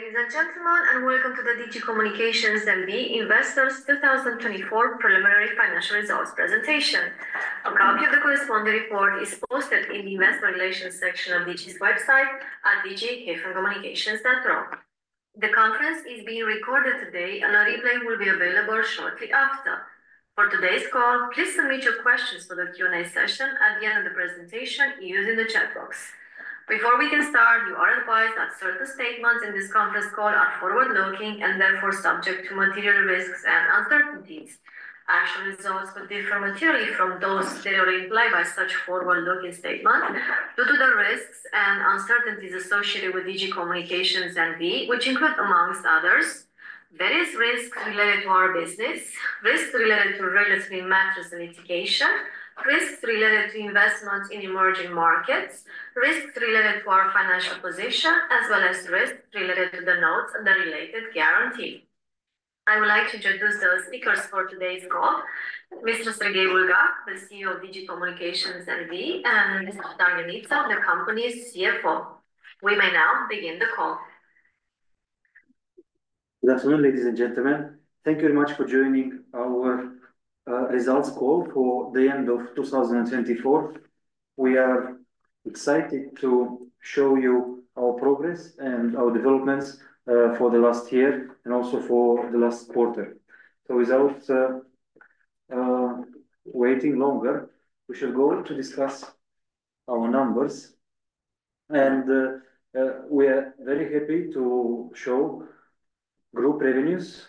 Good afternoon, ladies and gentlemen, and welcome to the Digi Communications MV Investors 2024 Preliminary Financial Results presentation. A copy of the corresponding report is posted in the Investment Relations section of Digi's website at digi-communications.ro. The conference is being recorded today, and a replay will be available shortly after. For today's call, please submit your questions for the Q&A session at the end of the presentation using the chat box. Before we can start, you are advised that certain statements in this conference call are forward-looking and therefore subject to material risks and uncertainties. Actual results will differ materially from those that are implied by such forward-looking statements due to the risks and uncertainties associated with Digi Communications NV, which include, amongst others, various risks related to our business, risks related to regulatory matters and litigation, risks related to investment in emerging markets, risks related to our financial position, as well as risks related to the notes and the related guarantee. I would like to introduce the speakers for today's call: Mr. Serghei Bulgac, the CEO of Digi Communications NV, and Mr. Dan Ionita, the company's CFO. We may now begin the call. Good afternoon, ladies and gentlemen. Thank you very much for joining our results call for the end of 2024. We are excited to show you our progress and our developments for the last year and also for the last quarter. Without waiting longer, we shall go to discuss our numbers. We are very happy to show Group revenues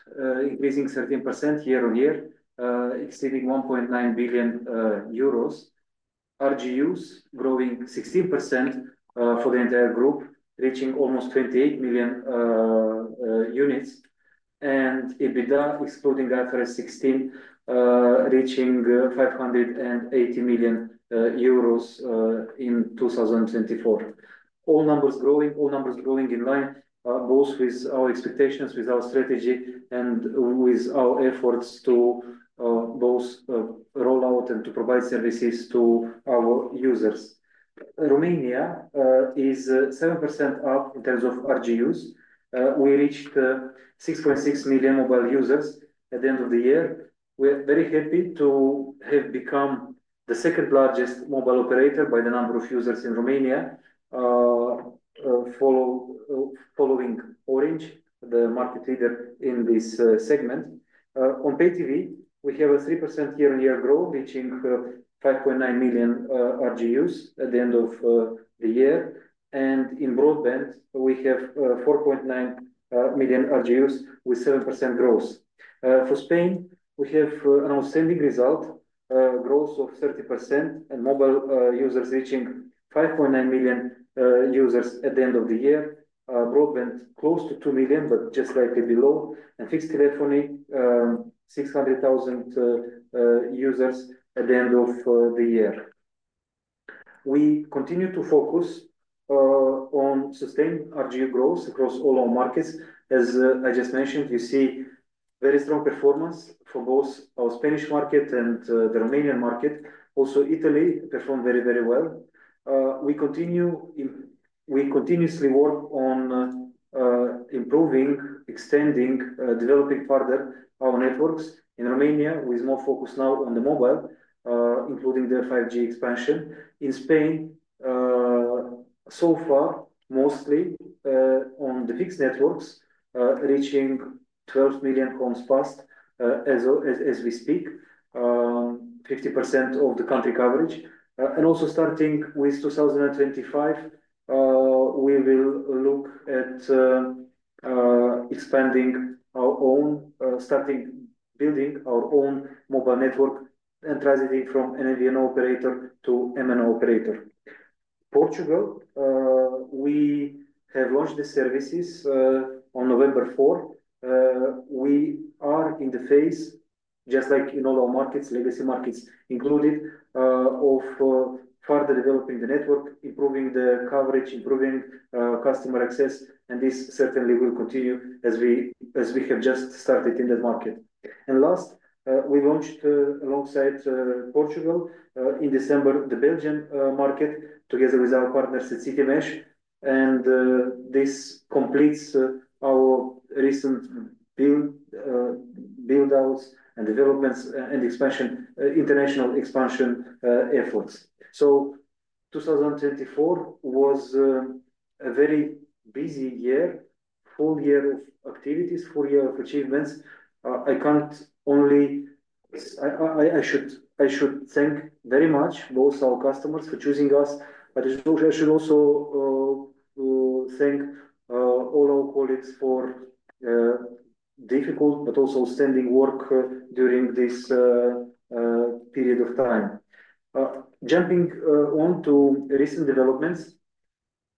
increasing 13% year-on-year, exceeding 1.9 billion euros, RGUs growing 16% for the entire group, reaching almost 28 million units, and EBITDA exploding IFRS 2016, reaching 580 million euros in 2024. All numbers growing, all numbers growing in line, both with our expectations, with our strategy, and with our efforts to both roll out and to provide services to our users. Romania is 7% up in terms of RGUs. We reached 6.6 million mobile users at the end of the year. We are very happy to have become the second largest mobile operator by the number of users in Romania, following Orange, the market leader in this segment. On PayTV, we have a 3% year-on-year growth, reaching 5.9 million RGUs at the end of the year. In broadband, we have 4.9 million RGUs with 7% growth. For Spain, we have an outstanding result: growth of 30% and mobile users reaching 5.9 million users at the end of the year. Broadband, close to 2 million, but just slightly below, and fixed telephony, 600,000 users at the end of the year. We continue to focus on sustained RGU growth across all our markets. As I just mentioned, we see very strong performance for both our Spanish market and the Romanian market. Italy performed very, very well. We continuously work on improving, extending, developing further our networks in Romania, with more focus now on the mobile, including the 5G expansion. In Spain, so far, mostly on the fixed networks, reaching 12 million homes passed as we speak, 50% of the country coverage. Also, starting with 2025, we will look at expanding our own, starting building our own mobile network and transitioning from MVNO operator to MNO operator. Portugal, we have launched the services on November 4. We are in the phase, just like in all our markets, legacy markets included, of further developing the network, improving the coverage, improving customer access, and this certainly will continue as we have just started in that market. Last, we launched alongside Portugal in December the Belgian market together with our partners at CityMesh, and this completes our recent build-outs and developments and international expansion efforts. 2024 was a very busy year, full year of activities, full year of achievements. I can't only, I should thank very much both our customers for choosing us, but I should also thank all our colleagues for difficult but also outstanding work during this period of time. Jumping on to recent developments,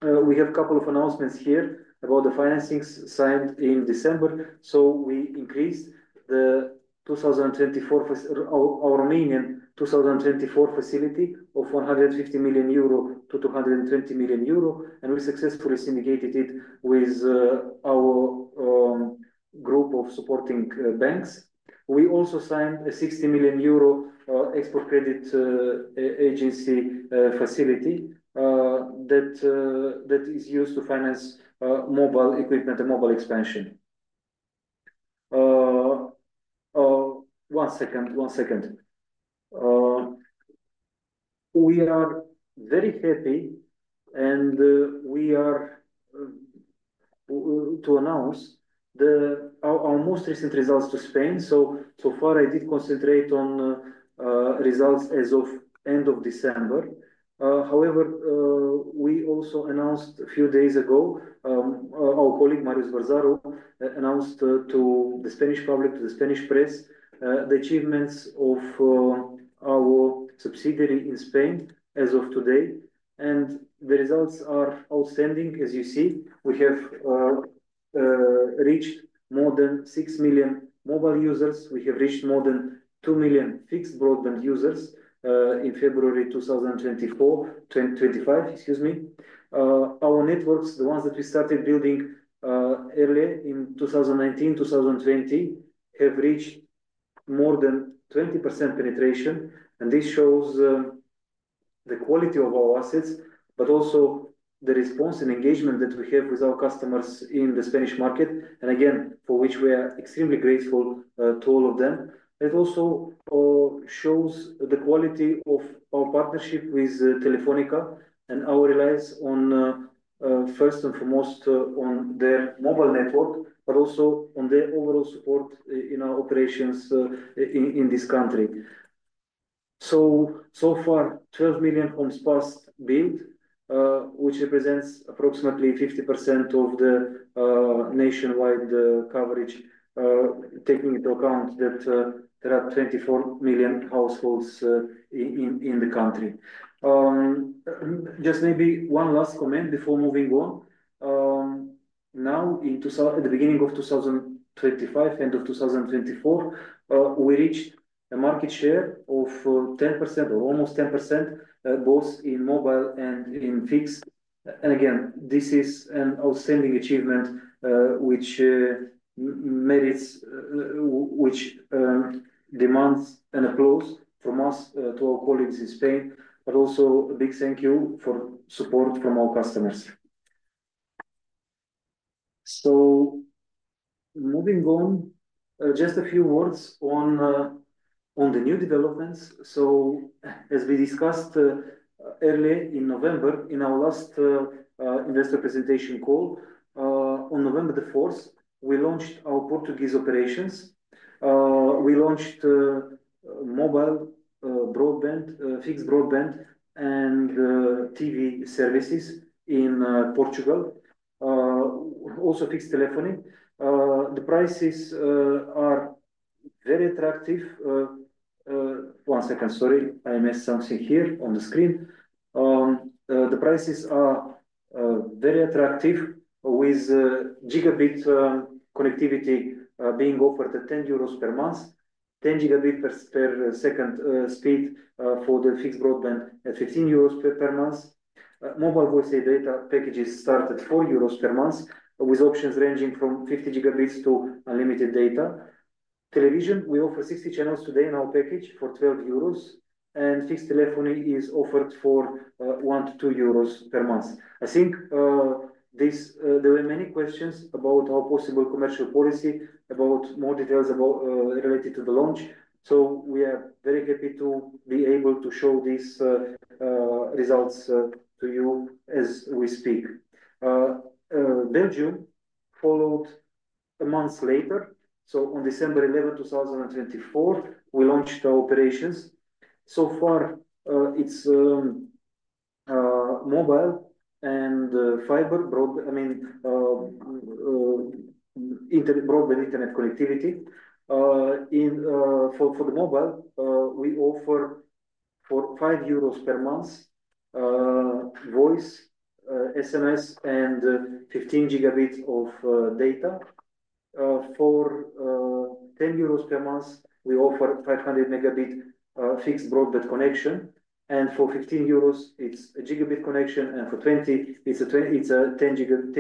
we have a couple of announcements here about the financings signed in December. We increased our Romanian 2024 facility of 150 million euro to 220 million euro, and we successfully syndicated it with our group of supporting banks. We also signed a 60 million euro export credit agency facility that is used to finance mobile equipment and mobile expansion. One second, one second. We are very happy, and we are to announce our most recent results to Spain. So far, I did concentrate on results as of end of December. However, we also announced a few days ago, our colleague Marius Barzaro announced to the Spanish public, to the Spanish press, the achievements of our subsidiary in Spain as of today, and the results are outstanding. As you see, we have reached more than 6 million mobile users. We have reached more than 2 million fixed broadband users in February 2024, 2025, excuse me. Our networks, the ones that we started building early in 2019, 2020, have reached more than 20% penetration, and this shows the quality of our assets, but also the response and engagement that we have with our customers in the Spanish market, and again, for which we are extremely grateful to all of them. It also shows the quality of our partnership with Telefónica and our reliance on, first and foremost, on their mobile network, but also on their overall support in our operations in this country. So far, 12 million homes fast built, which represents approximately 50% of the nationwide coverage, taking into account that there are 24 million households in the country. Just maybe one last comment before moving on. Now, at the beginning of 2025, end of 2024, we reached a market share of 10% or almost 10%, both in mobile and in fixed. Again, this is an outstanding achievement, which demands an applause from us to our colleagues in Spain, but also a big thank you for support from our customers. Moving on, just a few words on the new developments. As we discussed earlier in November, in our last investor presentation call, on November 4, we launched our Portuguese operations. We launched mobile broadband, fixed broadband, and TV services in Portugal, also fixed telephony. The prices are very attractive. One second, sorry, I missed something here on the screen. The prices are very attractive, with gigabit connectivity being offered at 10 euros per month, 10 gigabit per second speed for the fixed broadband at 15 euros per month. Mobile voice data packages start at 4 euros per month, with options ranging from 50 gigabits to unlimited data. Television, we offer 60 channels today in our package for 12 euros, and fixed telephony is offered for 1-2 euros per month. I think there were many questions about our possible commercial policy, about more details related to the launch. We are very happy to be able to show these results to you as we speak. Belgium followed a month later. On December 11, 2024, we launched our operations. So far, it is mobile and fiber, I mean, broadband internet connectivity. For the mobile, we offer for 5 euros per month voice, SMS, and 15 gigabits of data. For 10 euros per month, we offer 500 megabit fixed broadband connection, and for 15 euros, it is a gigabit connection, and for 20, it is a 10 gigabit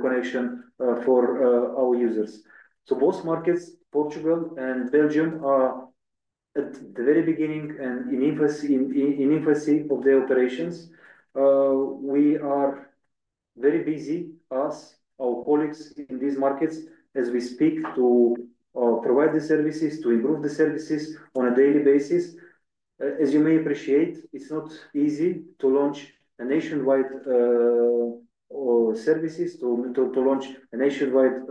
connection for our users. Both markets, Portugal and Belgium, are at the very beginning and in infancy of their operations. We are very busy, us, our colleagues in these markets, as we speak, to provide the services, to improve the services on a daily basis. As you may appreciate, it's not easy to launch a nationwide service, to launch a nationwide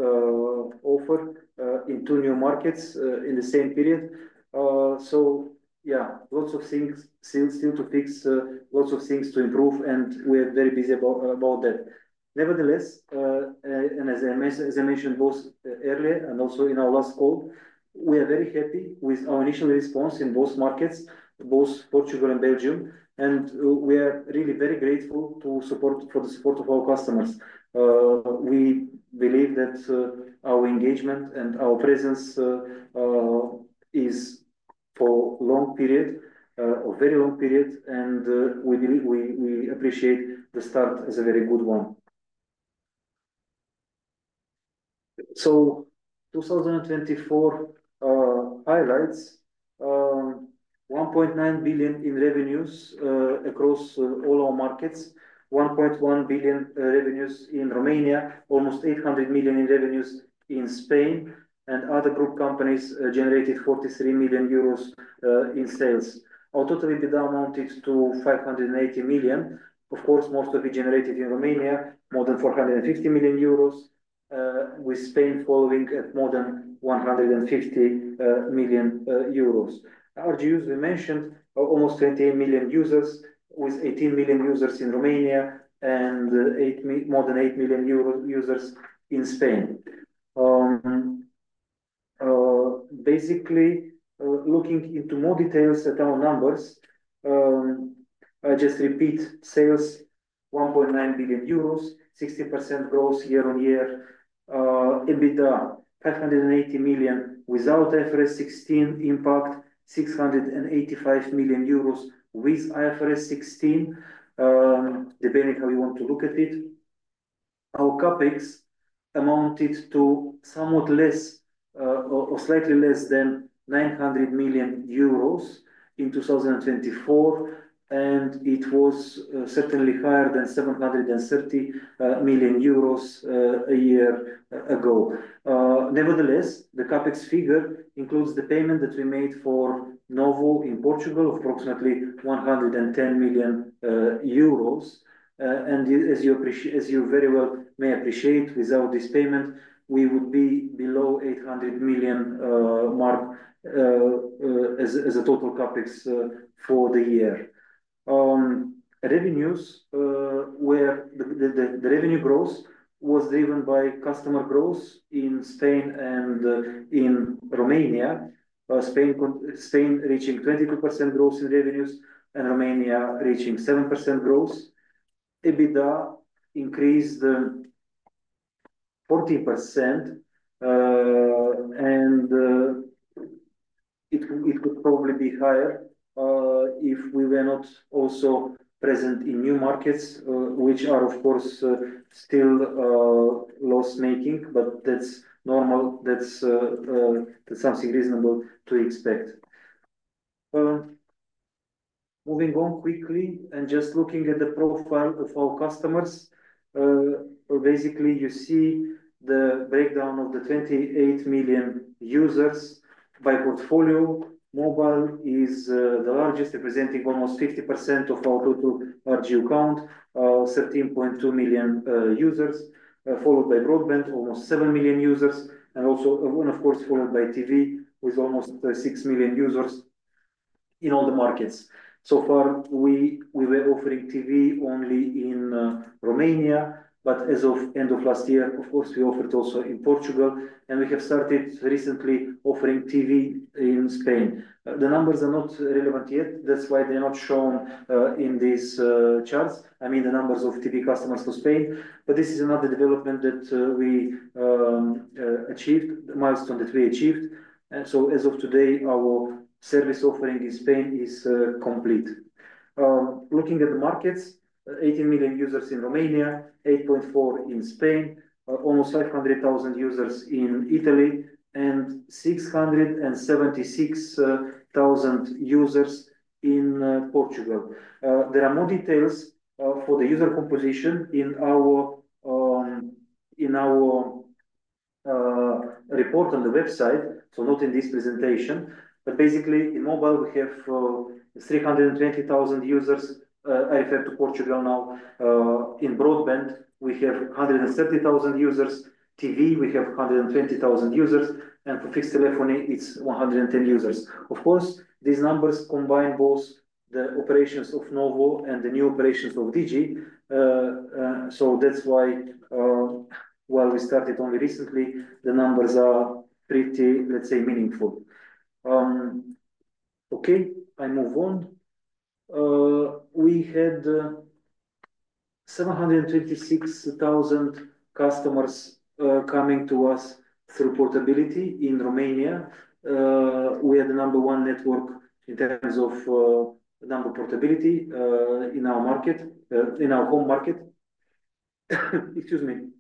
offer in two new markets in the same period. Yeah, lots of things still to fix, lots of things to improve, and we are very busy about that. Nevertheless, and as I mentioned both earlier and also in our last call, we are very happy with our initial response in both markets, both Portugal and Belgium, and we are really very grateful for the support of our customers. We believe that our engagement and our presence is for a long period, a very long period, and we appreciate the start as a very good one. 2024 highlights 1.9 billion in revenues across all our markets, 1.1 billion revenues in Romania, almost 800 million in revenues in Spain, and other group companies generated 43 million euros in sales. Our total EBITDA amounted to 580 million. Of course, most of it generated in Romania, more than 450 million euros, with Spain following at more than 150 million euros. RGUs we mentioned are almost 28 million users, with 18 million users in Romania and more than 8 million users in Spain. Basically, looking into more details at our numbers, I just repeat: sales 1.9 billion euros, 60% growth year on year, EBITDA 580 million without IFRS 16 impact, 685 million euros with IFRS 16, depending how you want to look at it. Our CAPEX amounted to somewhat less or slightly less than 900 million euros in 2024, and it was certainly higher than 730 million euros a year ago. Nevertheless, the CAPEX figure includes the payment that we made for Novo in Portugal of approximately 110 million euros, and as you very well may appreciate, without this payment, we would be below the 800 million mark as a total CAPEX for the year. Revenues, where the revenue growth was driven by customer growth in Spain and in Romania, Spain reaching 22% growth in revenues and Romania reaching 7% growth. EBITDA increased 40%, and it could probably be higher if we were not also present in new markets, which are, of course, still loss-making, but that's normal. That's something reasonable to expect. Moving on quickly and just looking at the profile of our customers, basically, you see the breakdown of the 28 million users by portfolio. Mobile is the largest, representing almost 50% of our total RGU count, 13.2 million users, followed by broadband, almost 7 million users, and also, of course, followed by TV with almost 6 million users in all the markets. So far, we were offering TV only in Romania, but as of the end of last year, of course, we offered also in Portugal, and we have started recently offering TV in Spain. The numbers are not relevant yet. That's why they're not shown in these charts. I mean, the numbers of TV customers for Spain, but this is another development that we achieved, the milestone that we achieved. As of today, our service offering in Spain is complete. Looking at the markets, 18 million users in Romania, 8.4 million in Spain, almost 500,000 users in Italy, and 676,000 users in Portugal. There are more details for the user composition in our report on the website, so not in this presentation, but basically, in mobile, we have 320,000 users. I refer to Portugal now. In broadband, we have 130,000 users. TV, we have 120,000 users, and for fixed telephony, it is 110 users. Of course, these numbers combine both the operations of Novo and the new operations of Digi. That is why while we started only recently, the numbers are pretty, let's say, meaningful. Okay, I move on. We had 726,000 customers coming to us through portability in Romania. We are the number one network in terms of number portability in our market, in our home market. Excuse me.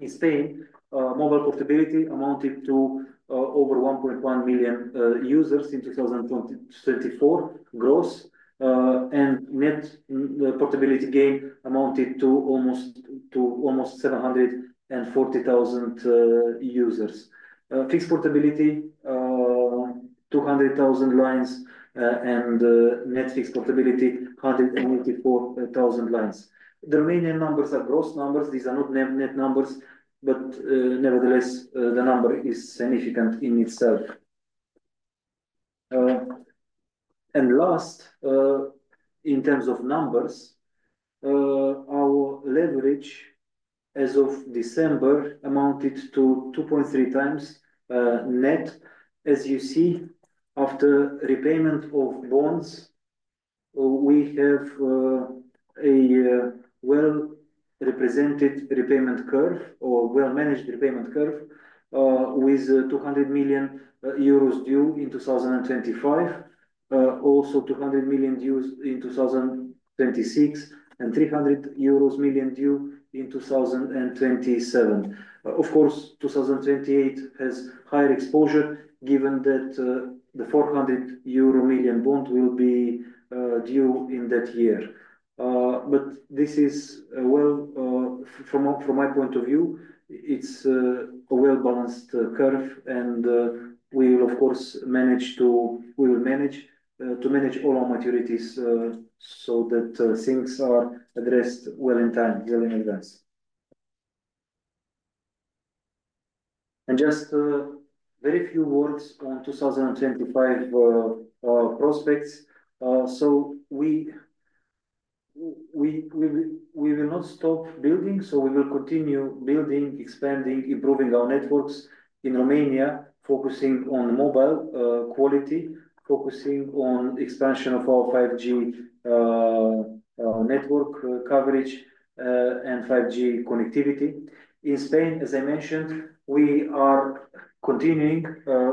In Spain, mobile portability amounted to over 1.1 million users in 2024 gross, and net portability gain amounted to almost 740,000 users. Fixed portability, 200,000 lines, and net fixed portability, 184,000 lines. The Romanian numbers are gross numbers. These are not net numbers, but nevertheless, the number is significant in itself. Last, in terms of numbers, our leverage as of December amounted to 2.3 times net. As you see, after repayment of bonds, we have a well-represented repayment curve or well-managed repayment curve with 200 million euros due in 2025, also 200 million due in 2026, and 300 million euros due in 2027. Of course, 2028 has higher exposure given that the 400 million euro bond will be due in that year. This is, from my point of view, a well-balanced curve, and we will, of course, manage to manage all our maturities so that things are addressed well in time, well in advance. Just very few words on 2025 prospects. We will not stop building, so we will continue building, expanding, improving our networks in Romania, focusing on mobile quality, focusing on expansion of our 5G network coverage and 5G connectivity. In Spain, as I mentioned, we are continuing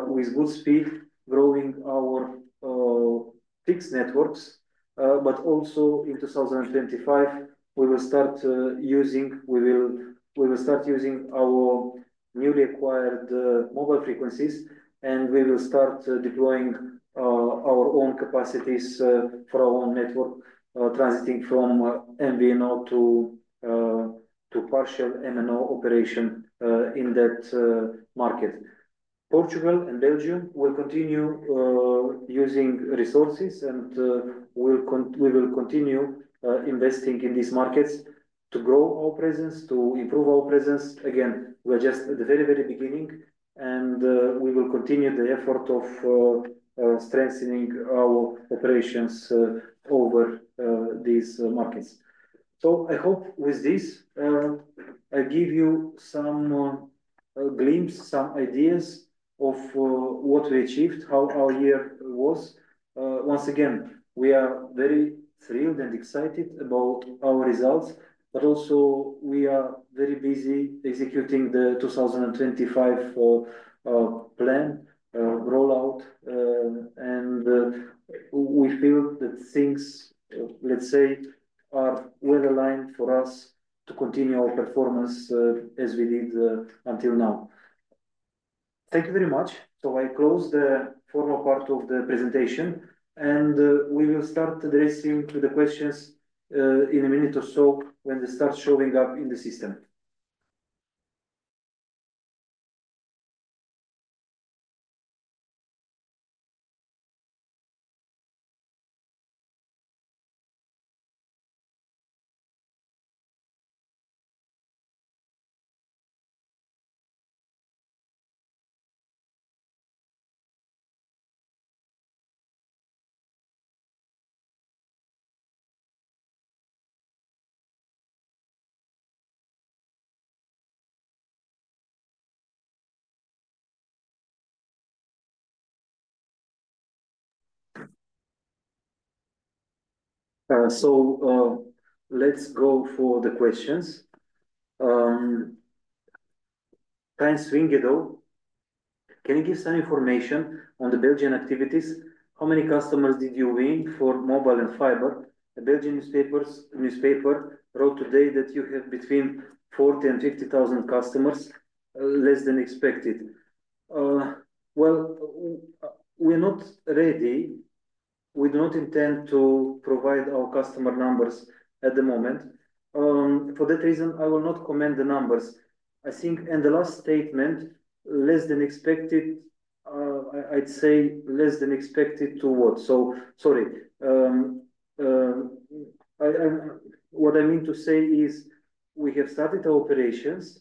with good speed, growing our fixed networks, but also in 2025, we will start using our newly acquired mobile frequencies, and we will start deploying our own capacities for our own network, transiting from MVNO to partial MNO operation in that market. Portugal and Belgium will continue using resources, and we will continue investing in these markets to grow our presence, to improve our presence. Again, we're just at the very, very beginning, and we will continue the effort of strengthening our operations over these markets. I hope with this I give you some glimpse, some ideas of what we achieved, how our year was. Once again, we are very thrilled and excited about our results, but also we are very busy executing the 2025 plan rollout, and we feel that things, let's say, are well aligned for us to continue our performance as we did until now. Thank you very much. I close the formal part of the presentation, and we will start addressing the questions in a minute or so when they start showing up in the system. Let's go for the questions. Can you give some information on the Belgian activities? How many customers did you win for mobile and fiber? A Belgian newspaper wrote today that you have between 40,000 and 50,000 customers, less than expected. We are not ready. We do not intend to provide our customer numbers at the moment. For that reason, I will not comment on the numbers. I think in the last statement, less than expected, I'd say less than expected to what? Sorry. What I mean to say is we have started our operations.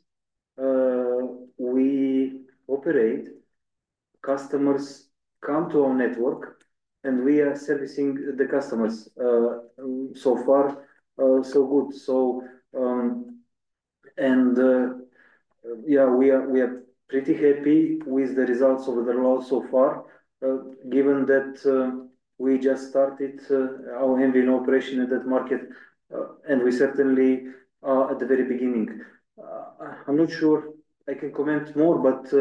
We operate. Customers come to our network, and we are servicing the customers. So far, so good. Yeah, we are pretty happy with the results of the rollout so far, given that we just started our MVNO operation in that market, and we certainly are at the very beginning. I'm not sure I can comment more, but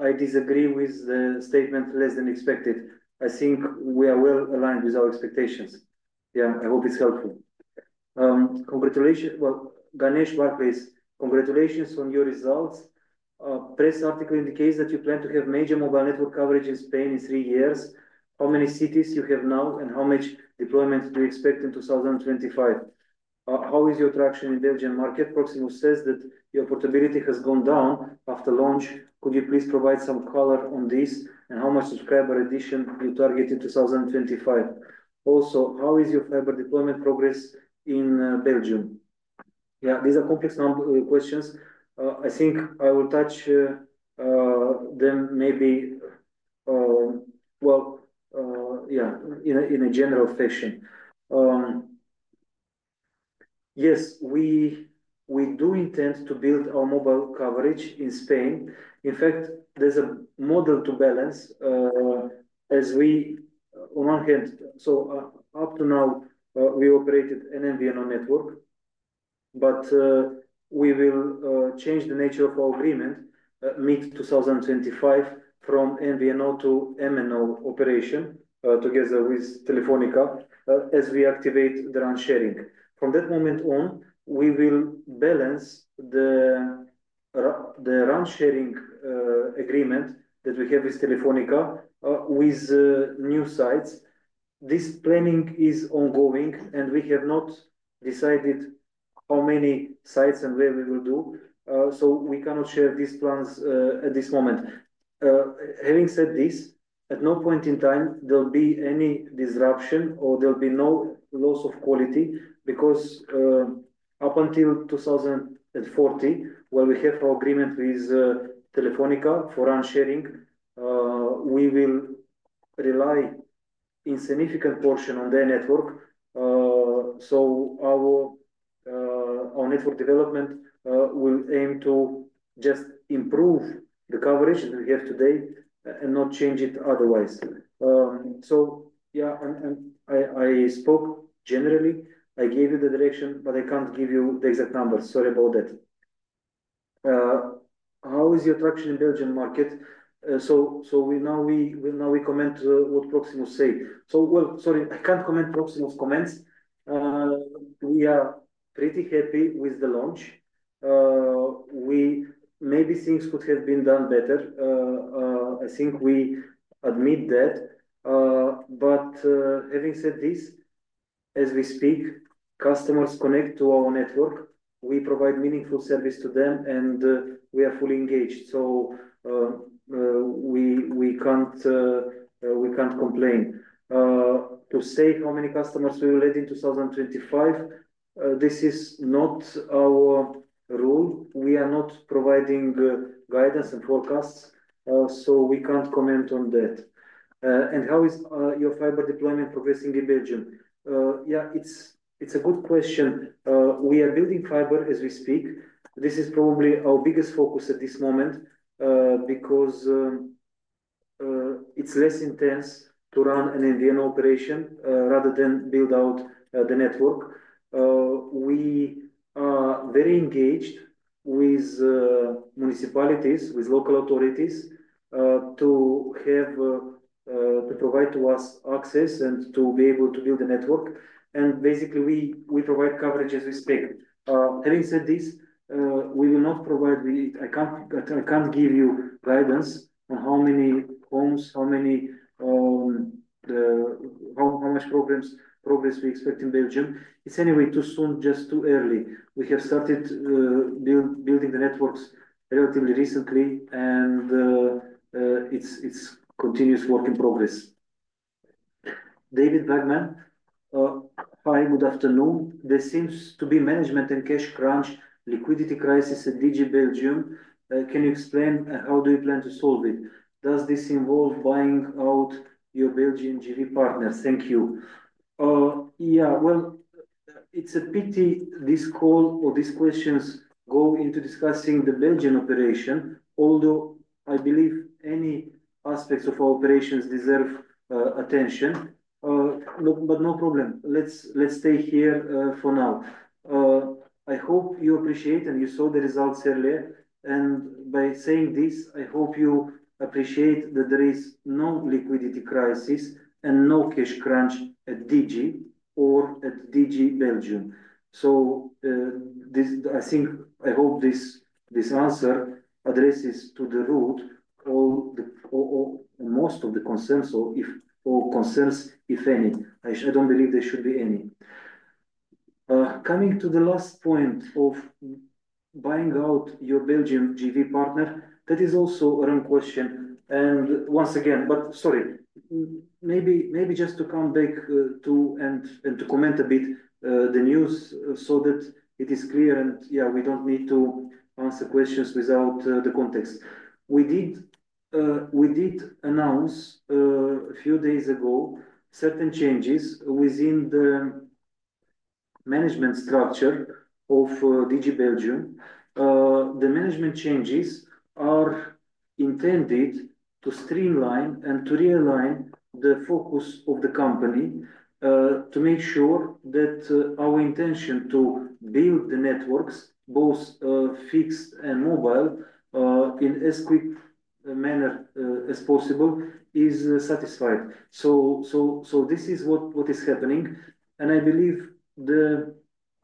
I disagree with the statement less than expected. I think we are well aligned with our expectations. I hope it's helpful. Ganesh Barclays, congratulations on your results. Press article indicates that you plan to have major mobile network coverage in Spain in three years. How many cities do you have now, and how much deployment do you expect in 2025? How is your traction in the Belgian market? Proximo says that your portability has gone down after launch. Could you please provide some color on this and how much subscriber addition you target in 2025? Also, how is your fiber deployment progress in Belgium? Yeah, these are complex questions. I think I will touch them maybe, yeah, in a general fashion. Yes, we do intend to build our mobile coverage in Spain. In fact, there is a model to balance as we, on one hand, so up to now, we operated an MVNO network, but we will change the nature of our agreement mid-2025 from MVNO to MNO operation together with Telefónica as we activate the round sharing. From that moment on, we will balance the round sharing agreement that we have with Telefónica with new sites. This planning is ongoing, and we have not decided how many sites and where we will do, so we cannot share these plans at this moment. Having said this, at no point in time, there will be any disruption or there will be no loss of quality because up until 2040, where we have our agreement with Telefónica for round sharing, we will rely on a significant portion of their network. Our network development will aim to just improve the coverage that we have today and not change it otherwise. Yeah, and I spoke generally. I gave you the direction, but I cannot give you the exact numbers. Sorry about that. How is your traction in the Belgian market? Now we comment on what Proximo said. Sorry, I cannot comment on Proximo's comments. We are pretty happy with the launch. Maybe things could have been done better. I think we admit that. Having said this, as we speak, customers connect to our network. We provide meaningful service to them, and we are fully engaged. We can't complain. To say how many customers we will add in 2025, this is not our role. We are not providing guidance and forecasts, so we can't comment on that. How is your fiber deployment progressing in Belgium? Yeah, it's a good question. We are building fiber as we speak. This is probably our biggest focus at this moment because it's less intense to run an MVNO operation rather than build out the network. We are very engaged with municipalities, with local authorities to provide us access and to be able to build the network. Basically, we provide coverage as we speak. Having said this, we will not provide—I can't give you guidance on how many homes, how much progress we expect in Belgium. It is anyway too soon, just too early. We have started building the networks relatively recently, and it is continuous work in progress. David Wetherbee, hi, good afternoon. There seems to be management and cash crunch, liquidity crisis at Digi Belgium. Can you explain how do you plan to solve it? Does this involve buying out your Belgian GV partners? Thank you. Yeah, it is a pity this call or these questions go into discussing the Belgian operation, although I believe any aspects of our operations deserve attention. No problem. Let's stay here for now. I hope you appreciate, and you saw the results earlier. By saying this, I hope you appreciate that there is no liquidity crisis and no cash crunch at Digi or at Digi Belgium. I think I hope this answer addresses to the root most of the concerns or concerns, if any. I don't believe there should be any. Coming to the last point of buying out your Belgian GV partner, that is also a run question. Sorry, maybe just to come back to and to comment a bit on the news so that it is clear, and yeah, we don't need to answer questions without the context. We did announce a few days ago certain changes within the management structure of Digi Belgium. The management changes are intended to streamline and to realign the focus of the company to make sure that our intention to build the networks, both fixed and mobile, in as quick a manner as possible is satisfied. This is what is happening. I believe the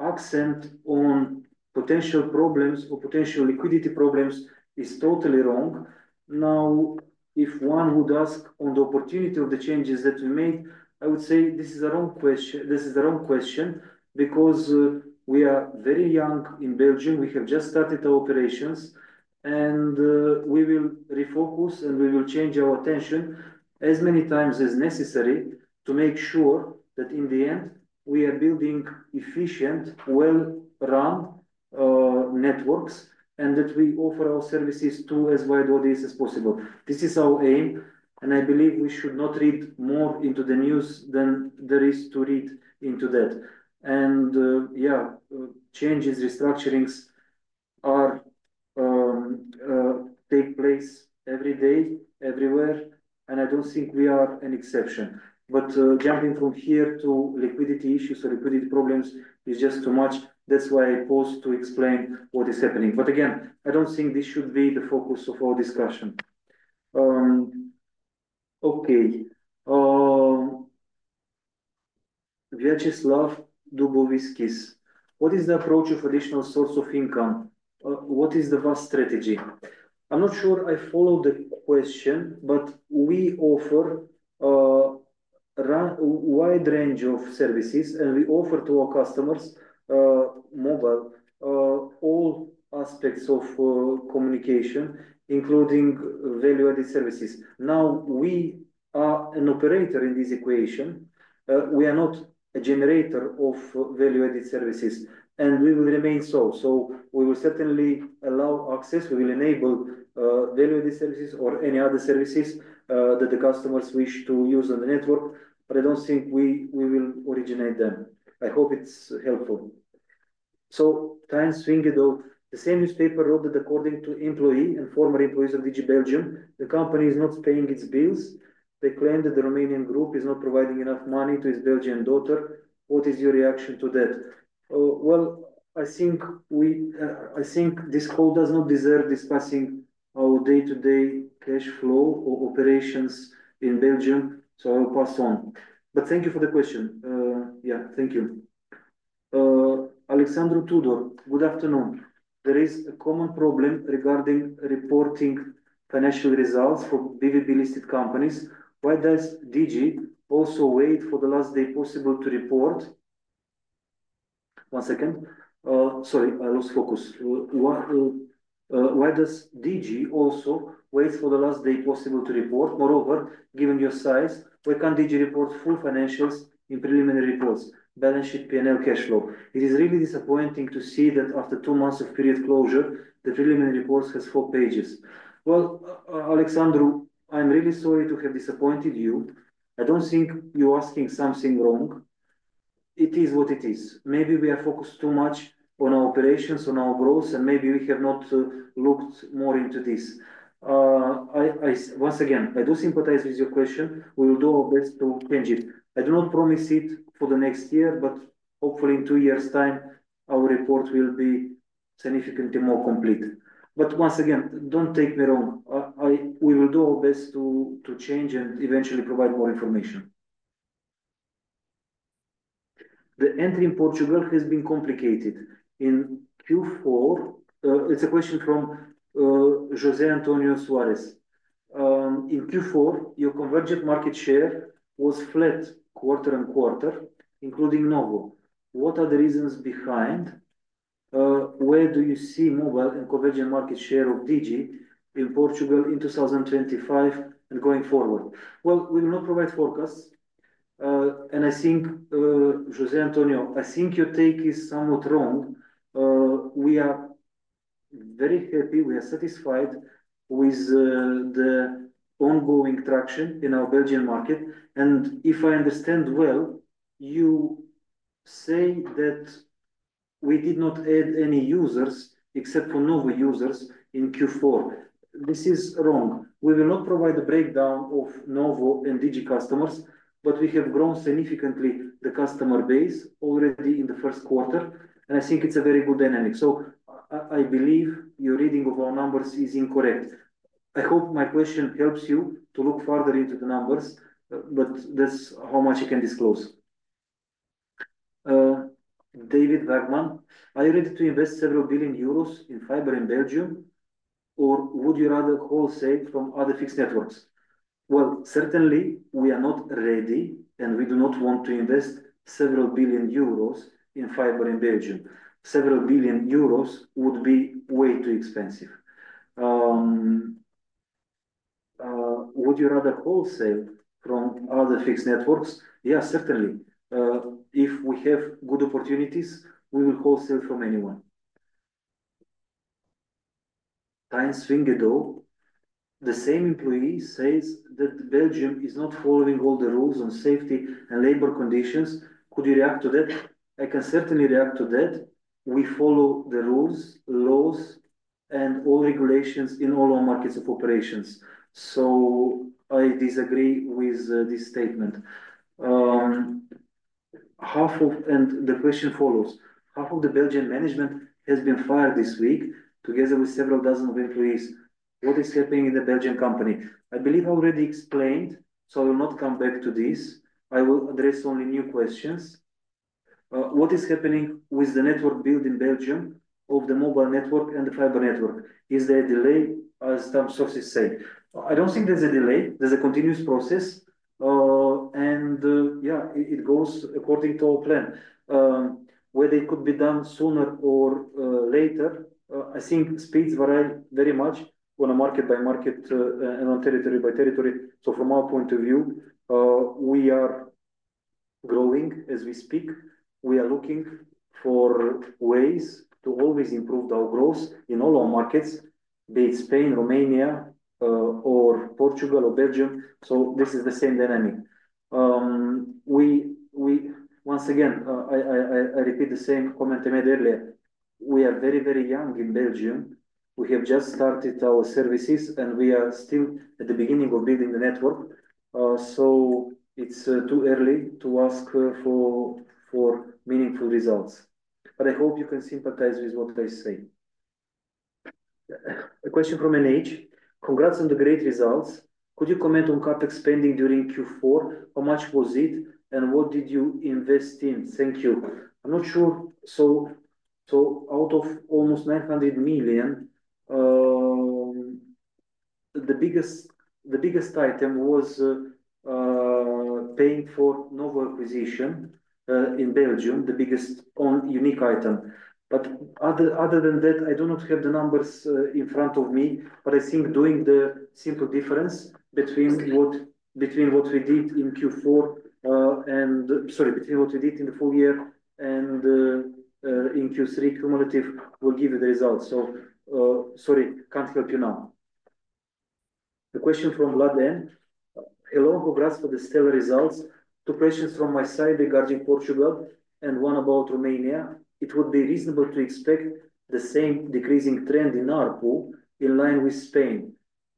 accent on potential problems or potential liquidity problems is totally wrong. Now, if one would ask on the opportunity of the changes that we made, I would say this is a wrong question. This is the wrong question because we are very young in Belgium. We have just started our operations, and we will refocus, and we will change our attention as many times as necessary to make sure that in the end, we are building efficient, well-run networks and that we offer our services to as wide audience as possible. This is our aim, and I believe we should not read more into the news than there is to read into that. Yeah, changes, restructurings take place every day, everywhere, and I don't think we are an exception. Jumping from here to liquidity issues or liquidity problems is just too much. That's why I paused to explain what is happening. Again, I don't think this should be the focus of our discussion. Okay. Wieszlaw Dubowiskis, what is the approach of additional source of income? What is the vast strategy? I'm not sure I follow the question, but we offer a wide range of services, and we offer to our customers mobile, all aspects of communication, including value-added services. Now, we are an operator in this equation. We are not a generator of value-added services, and we will remain so. We will certainly allow access. We will enable value-added services or any other services that the customers wish to use on the network, but I don't think we will originate them. I hope it's helpful. Time swinging though. The same newspaper wrote that according to employee and former employees of Digi Belgium, the company is not paying its bills. They claim that the Romanian group is not providing enough money to its Belgian daughter. What is your reaction to that? I think this call does not deserve discussing our day-to-day cash flow or operations in Belgium, so I will pass on. Thank you for the question. Thank you. Alexandre Tudor. good afternoon. There is a common problem regarding reporting financial results for BVB-listed companies. Why does Digi also wait for the last day possible to report? One second. Sorry, I lost focus. Why does Digi also wait for the last day possible to report? Moreover, given your size, why can't Digi report full financials in preliminary reports, balance sheet, P&L, cash flow? It is really disappointing to see that after two months of period closure, the preliminary reports have four pages. Alexandre, I'm really sorry to have disappointed you. I don't think you're asking something wrong. It is what it is. Maybe we are focused too much on our operations, on our growth, and maybe we have not looked more into this. Once again, I do sympathize with your question. We will do our best to change it. I do not promise it for the next year, but hopefully in two years' time, our report will be significantly more complete. Once again, don't take me wrong. We will do our best to change and eventually provide more information. The entry in Portugal has been complicated. In Q4, it's a question from José Antonio Suarez. In Q4, your convergent market share was flat quarter and quarter, including Novo. What are the reasons behind? Where do you see mobile and convergent market share of Digi in Portugal in 2025 and going forward? We will not provide forecasts. José Antonio, I think your take is somewhat wrong. We are very happy. We are satisfied with the ongoing traction in our Belgian market. If I understand well, you say that we did not add any users except for Novo users in Q4. This is wrong. We will not provide a breakdown of Novo and Digi customers, but we have grown significantly the customer base already in the first quarter. I think it is a very good dynamic. I believe your reading of our numbers is incorrect. I hope my question helps you to look further into the numbers, but that is how much you can disclose. David Wetherbee, Are you ready to invest several billion EUR in fiber in Belgium, or would you rather wholesale from other fixed networks? Certainly, we are not ready, and we do not want to invest several billion EUR in fiber in Belgium. Several billion EUR would be way too expensive. Would you rather wholesale from other fixed networks? Yeah, certainly. If we have good opportunities, we will wholesale from anyone. Time swinging though. The same employee says that Belgium is not following all the rules on safety and labor conditions. Could you react to that? I can certainly react to that. We follow the rules, laws, and all regulations in all our markets of operations. I disagree with this statement. The question follows. Half of the Belgian management has been fired this week together with several dozen employees. What is happening in the Belgian company? I believe I already explained, so I will not come back to this. I will address only new questions. What is happening with the network built in Belgium of the mobile network and the fiber network? Is there a delay, as some sources say? I don't think there's a delay. There's a continuous process. Yeah, it goes according to our plan. Whether it could be done sooner or later, I think speeds vary very much on a market-by-market and on territory-by-territory. From our point of view, we are growing as we speak. We are looking for ways to always improve our growth in all our markets, be it Spain, Romania, Portugal, or Belgium. This is the same dynamic. Once again, I repeat the same comment I made earlier. We are very, very young in Belgium. We have just started our services, and we are still at the beginning of building the network. It's too early to ask for meaningful results. I hope you can sympathize with what I say. A question from NH. Congrats on the great results. Could you comment on CapEx spending during Q4? How much was it and what did you invest in? Thank you. I'm not sure. Out of almost 900 million, the biggest item was paying for Novo acquisition in Belgium, the biggest unique item. Other than that, I do not have the numbers in front of me. I think doing the simple difference between what we did in Q4 and, sorry, between what we did in the full year and in Q3 cumulative will give you the results. Sorry, can't help you now. A question from Vladen. Hello, congrats for the stellar results. Two questions from my side regarding Portugal and one about Romania. It would be reasonable to expect the same decreasing trend in ARPU in line with Spain.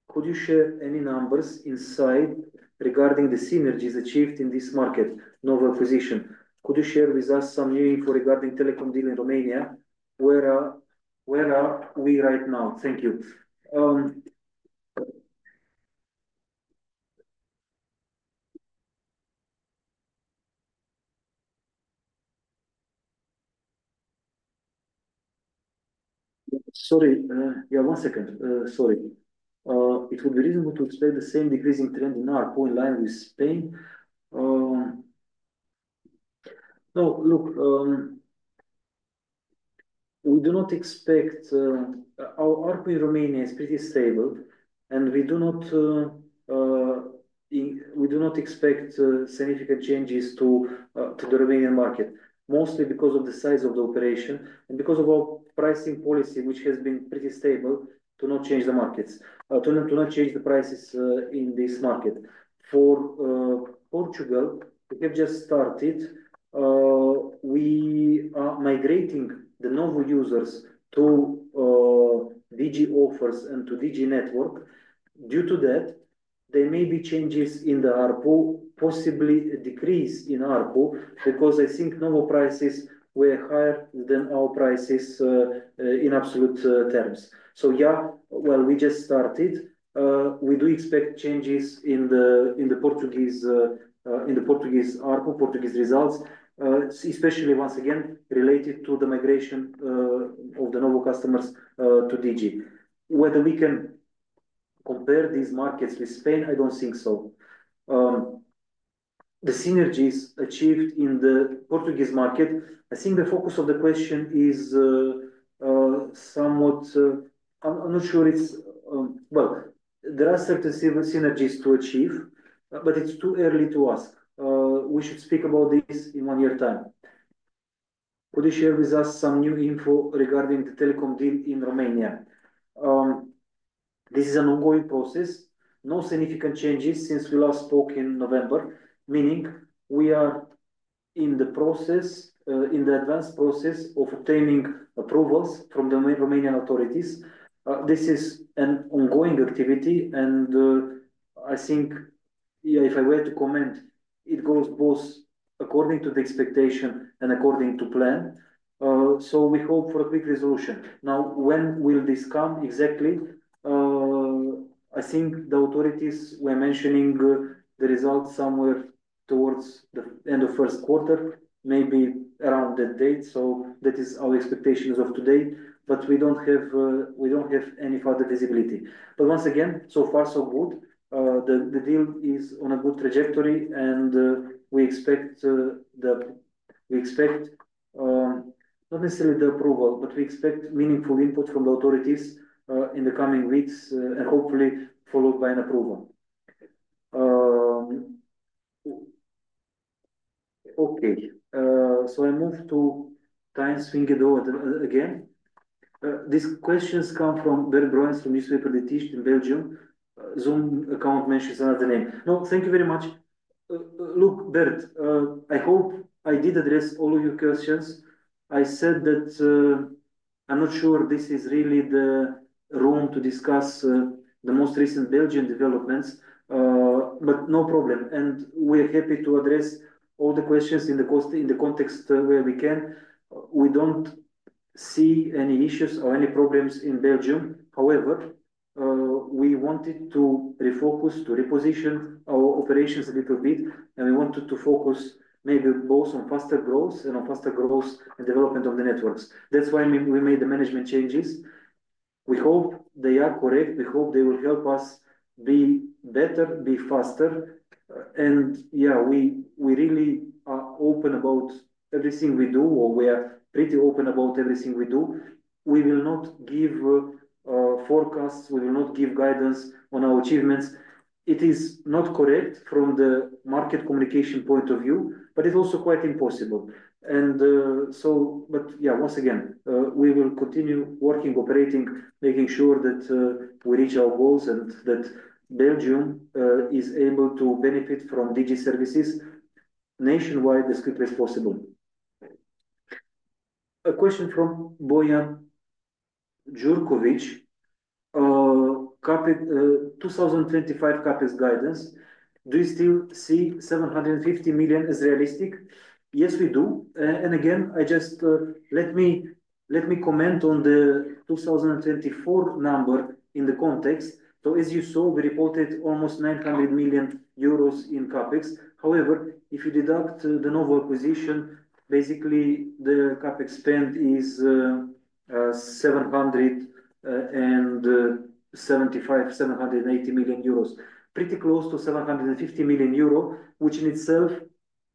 Could you share any numbers inside regarding the synergies achieved in this market Novo acquisition? Could you share with us some new info regarding Telekom deal in Romania? Where are we right now? Thank you. Sorry. Yeah, one second. Sorry. It would be reasonable to expect the same decreasing trend in ARPU in line with Spain. No, look, we do not expect our ARPU in Romania is pretty stable, and we do not expect significant changes to the Romanian market, mostly because of the size of the operation and because of our pricing policy, which has been pretty stable, to not change the markets, to not change the prices in this market. For Portugal, we have just started. We are migrating the Novo users to Digi offers and to Digi network. Due to that, there may be changes in the ARPU, possibly a decrease in ARPU, because I think Novo prices were higher than our prices in absolute terms. Yeah, we just started. We do expect changes in the Portuguese ARPU, Portuguese results, especially once again related to the migration of the Novo customers to Digi. Whether we can compare these markets with Spain, I do not think so. The synergies achieved in the Portuguese market, I think the focus of the question is somewhat, I am not sure it is, there are certain synergies to achieve, but it is too early to ask. We should speak about this in one year's time. Could you share with us some new info regarding the telecom deal in Romania? This is an ongoing process. No significant changes since we last spoke in November, meaning we are in the process, in the advanced process of obtaining approvals from the Romanian authorities. This is an ongoing activity, and I think if I were to comment, it goes both according to the expectation and according to plan. We hope for a quick resolution. Now, when will this come exactly? I think the authorities were mentioning the results somewhere towards the end of first quarter, maybe around that date. That is our expectation as of today, but we do not have any further visibility. Once again, so far, so good. The deal is on a good trajectory, and we expect not necessarily the approval, but we expect meaningful input from the authorities in the coming weeks and hopefully followed by an approval. Okay. I move to time swinging though again. These questions come from Bert Bruyens from newspaper Le Tige in Belgium. Zoom account mentions another name. No, thank you very much. Look, Bert, I hope I did address all of your questions. I said that I'm not sure this is really the room to discuss the most recent Belgian developments, but no problem. We are happy to address all the questions in the context where we can. We don't see any issues or any problems in Belgium. However, we wanted to refocus, to reposition our operations a little bit, and we wanted to focus maybe both on faster growth and on faster growth and development of the networks. That's why we made the management changes. We hope they are correct. We hope they will help us be better, be faster. Yeah, we really are open about everything we do, or we are pretty open about everything we do. We will not give forecasts. We will not give guidance on our achievements. It is not correct from the market communication point of view, but it is also quite impossible. Yeah, once again, we will continue working, operating, making sure that we reach our goals and that Belgium is able to benefit from Digi services nationwide as quickly as possible. A question from Bojan Jurković 2025 CapEx guidance. Do you still see 750 million as realistic? Yes, we do. Again, let me comment on the 2024 number in the context. As you saw, we reported almost 900 million euros in CapEx. However, if you deduct the Novo acquisition, basically the CAPEX spend is EUR 775 million, 780 million euros, pretty close to 750 million euro, which in itself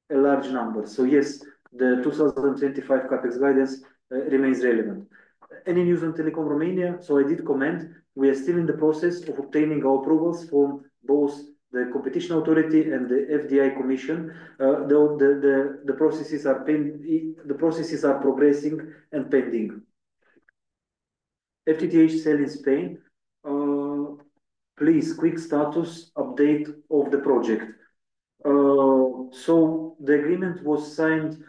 is a large number. Yes, the 2025 CAPEX guidance remains relevant. Any news on telekom Romania? I did comment. We are still in the process of obtaining our approvals from both the Competition Authority and the FDI Commission. The processes are progressing and pending. FTTH sale in Spain. Please, quick status update of the project. The agreement was signed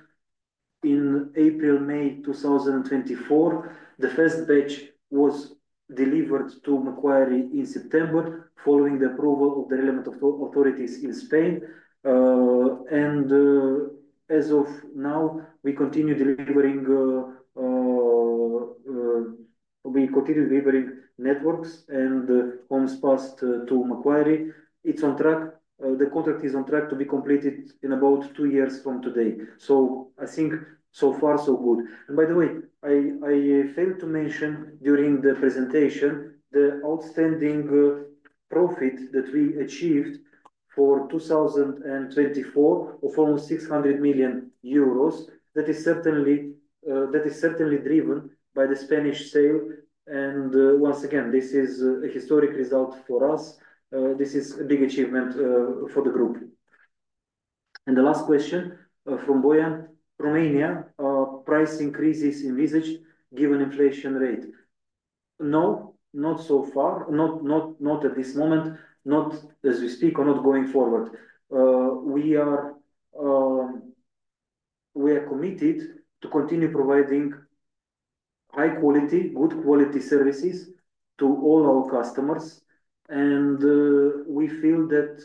in April, May 2024. The first batch was delivered to Macquarie in September following the approval of the relevant authorities in Spain. As of now, we continue delivering networks and comms passed to Macquarie. It is on track. The contract is on track to be completed in about two years from today. I think so far, so good. By the way, I failed to mention during the presentation the outstanding profit that we achieved for 2024 of almost 600 million euros. That is certainly driven by the Spanish sale. Once again, this is a historic result for us. This is a big achievement for the group. The last question from Bojan. Romania, price increases envisaged given inflation rate? No, not so far. Not at this moment. Not as we speak or not going forward. We are committed to continue providing high-quality, good-quality services to all our customers. We feel that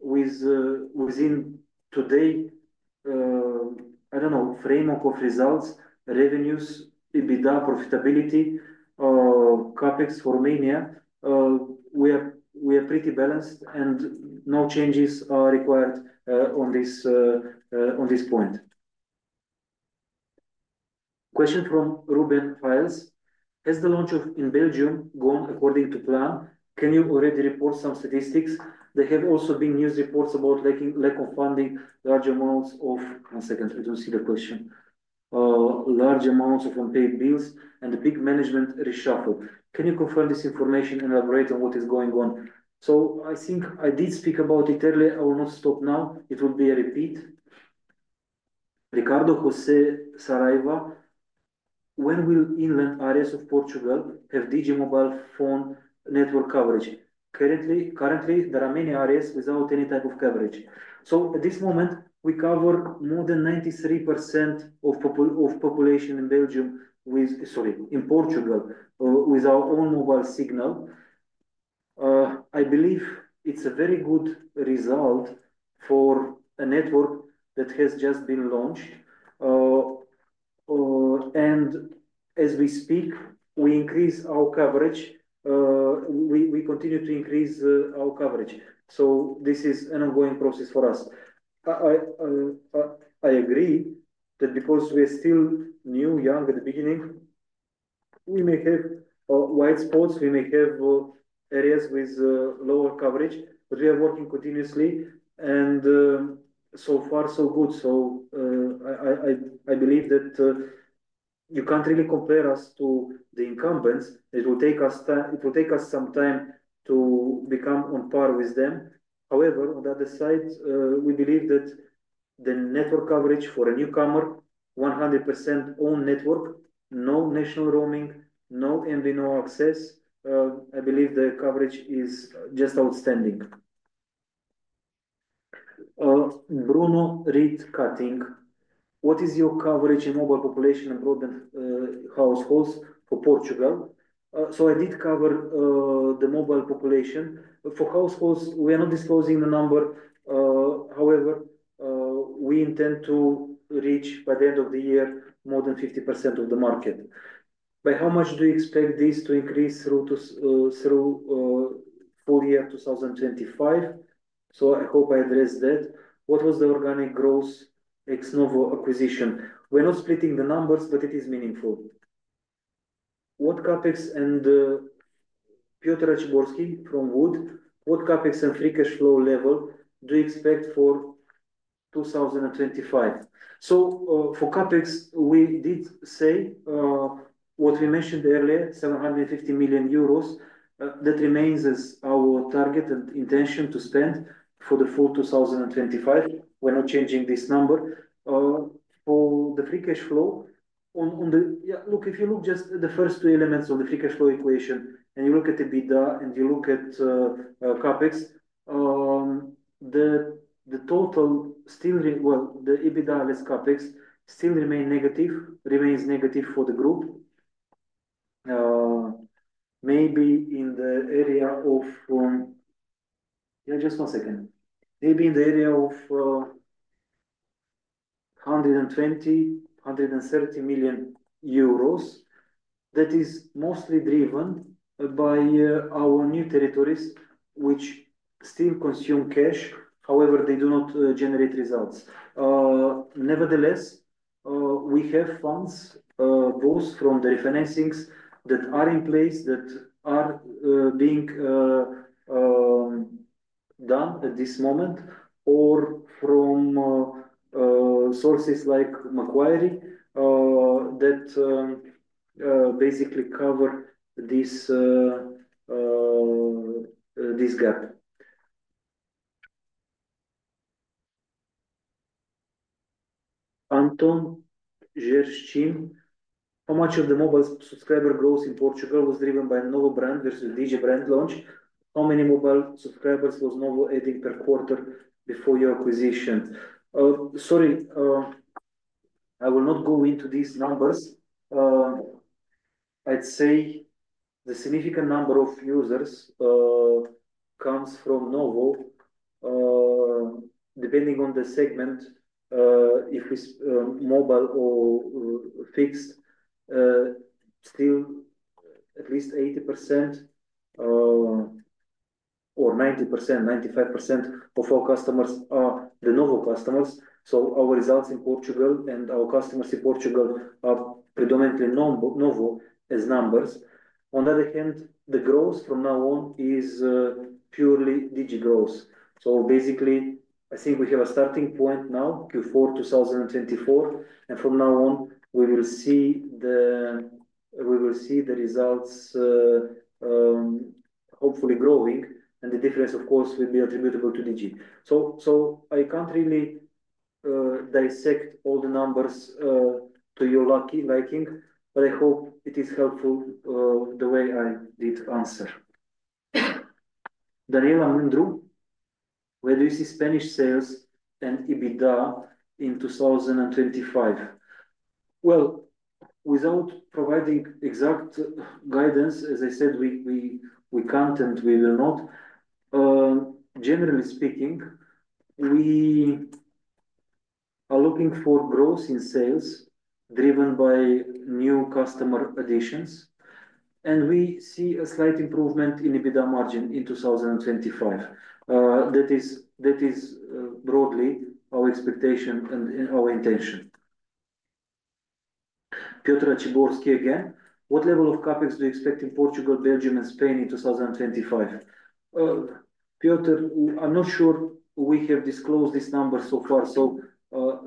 within today, I do not know, framework of results, revenues, EBITDA, profitability, CAPEX for Romania, we are pretty balanced and no changes are required on this point. Question from Ruben Files. Has the launch in Belgium gone according to plan? Can you already report some statistics? There have also been news reports about lack of funding, large amounts of—one second. I don't see the question. Large amounts of unpaid bills and big management reshuffle. Can you confirm this information and elaborate on what is going on? I think I did speak about it earlier. I will not stop now. It will be a repeat. Ricardo José Saraiva. When will inland areas of Portugal have Digi mobile phone network coverage? Currently, there are many areas without any type of coverage. At this moment, we cover more than 93% of population in Portugal with our own mobile signal. I believe it's a very good result for a network that has just been launched. As we speak, we increase our coverage. We continue to increase our coverage. This is an ongoing process for us. I agree that because we are still new, young at the beginning, we may have white spots. We may have areas with lower coverage, but we are working continuously. So far, so good. I believe that you can't really compare us to the incumbents. It will take us some time to become on par with them. However, on the other side, we believe that the network coverage for a newcomer, 100% own network, no national roaming, no MVNO access, I believe the coverage is just outstanding. Bruno Rietkatting. What is your coverage in mobile population and broadband households for Portugal? I did cover the mobile population. For households, we are not disclosing the number. However, we intend to reach by the end of the year more than 50% of the market. By how much do you expect this to increase through full year 2025? I hope I addressed that. What was the organic growth ex Novo acquisition? We're not splitting the numbers, but it is meaningful. What CapEx and Piotr Czyborski from Wood, what CapEx and free cash flow level do you expect for 2025? For CapEx, we did say what we mentioned earlier, 750 million euros. That remains as our target and intention to spend for the full 2025. We're not changing this number. For the free cash flow, look, if you look just at the first two elements on the free cash flow equation and you look at EBITDA and you look at CapEx, the total still, the EBITDA less CapEx still remains negative for the group. Maybe in the area of, yeah, just one second. Maybe in the area of 120 million-130 million euros. That is mostly driven by our new territories, which still consume cash. However, they do not generate results. Nevertheless, we have funds both from the refinancings that are in place that are being done at this moment or from sources like Macquarie that basically cover this gap. Anton Jerzcim. How much of the mobile subscriber growth in Portugal was driven by Novo brand versus Digi brand launch? How many mobile subscribers was Novo adding per quarter before your acquisition? Sorry, I will not go into these numbers. I'd say the significant number of users comes from Novo depending on the segment, if it's mobile or fixed. Still, at least 80% or 90%, 95% of our customers are the Novo customers. So our results in Portugal and our customers in Portugal are predominantly Novo as numbers. On the other hand, the growth from now on is purely Digi growth. Basically, I think we have a starting point now, Q4 2024. From now on, we will see the results, hopefully growing. The difference, of course, will be attributable to Digi. I can't really dissect all the numbers to your liking, but I hope it is helpful the way I did answer. Daniela Mundru, where do you see Spanish sales and EBITDA in 2025? Without providing exact guidance, as I said, we can't and we will not. Generally speaking, we are looking for growth in sales driven by new customer additions. We see a slight improvement in EBITDA margin in 2025. That is broadly our expectation and our intention. Piotr Czyborski again. What level of CAPEX do you expect in Portugal, Belgium, and Spain in 2025? Piotr, I'm not sure we have disclosed this number so far.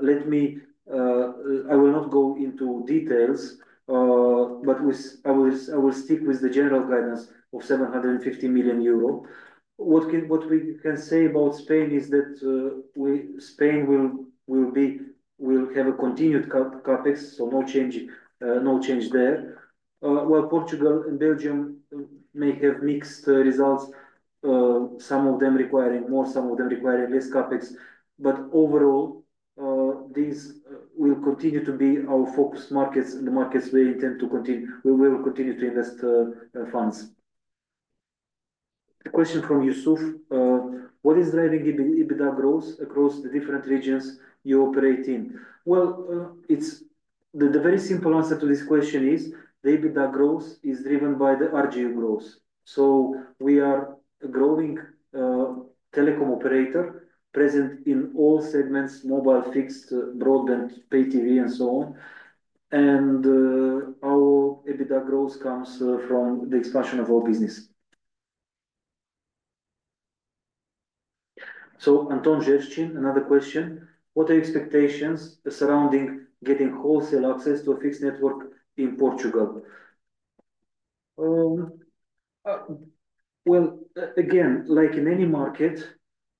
Let me, I will not go into details, but I will stick with the general guidance of 750 million euro. What we can say about Spain is that Spain will have a continued CapEx, so no change there. While Portugal and Belgium may have mixed results, some of them requiring more, some of them requiring less CapEx. Overall, these will continue to be our focus markets and the markets we intend to continue. We will continue to invest funds. A question from Yusuf. What is driving EBITDA growth across the different regions you operate in? The very simple answer to this question is the EBITDA growth is driven by the RGU growth. We are a growing telecom operator present in all segments, mobile, fixed, broadband, Pay-TV, and so on. Our EBITDA growth comes from the expansion of our business. Anton Jerzcim, another question. What are your expectations surrounding getting wholesale access to a fixed network in Portugal? Again, like in any market,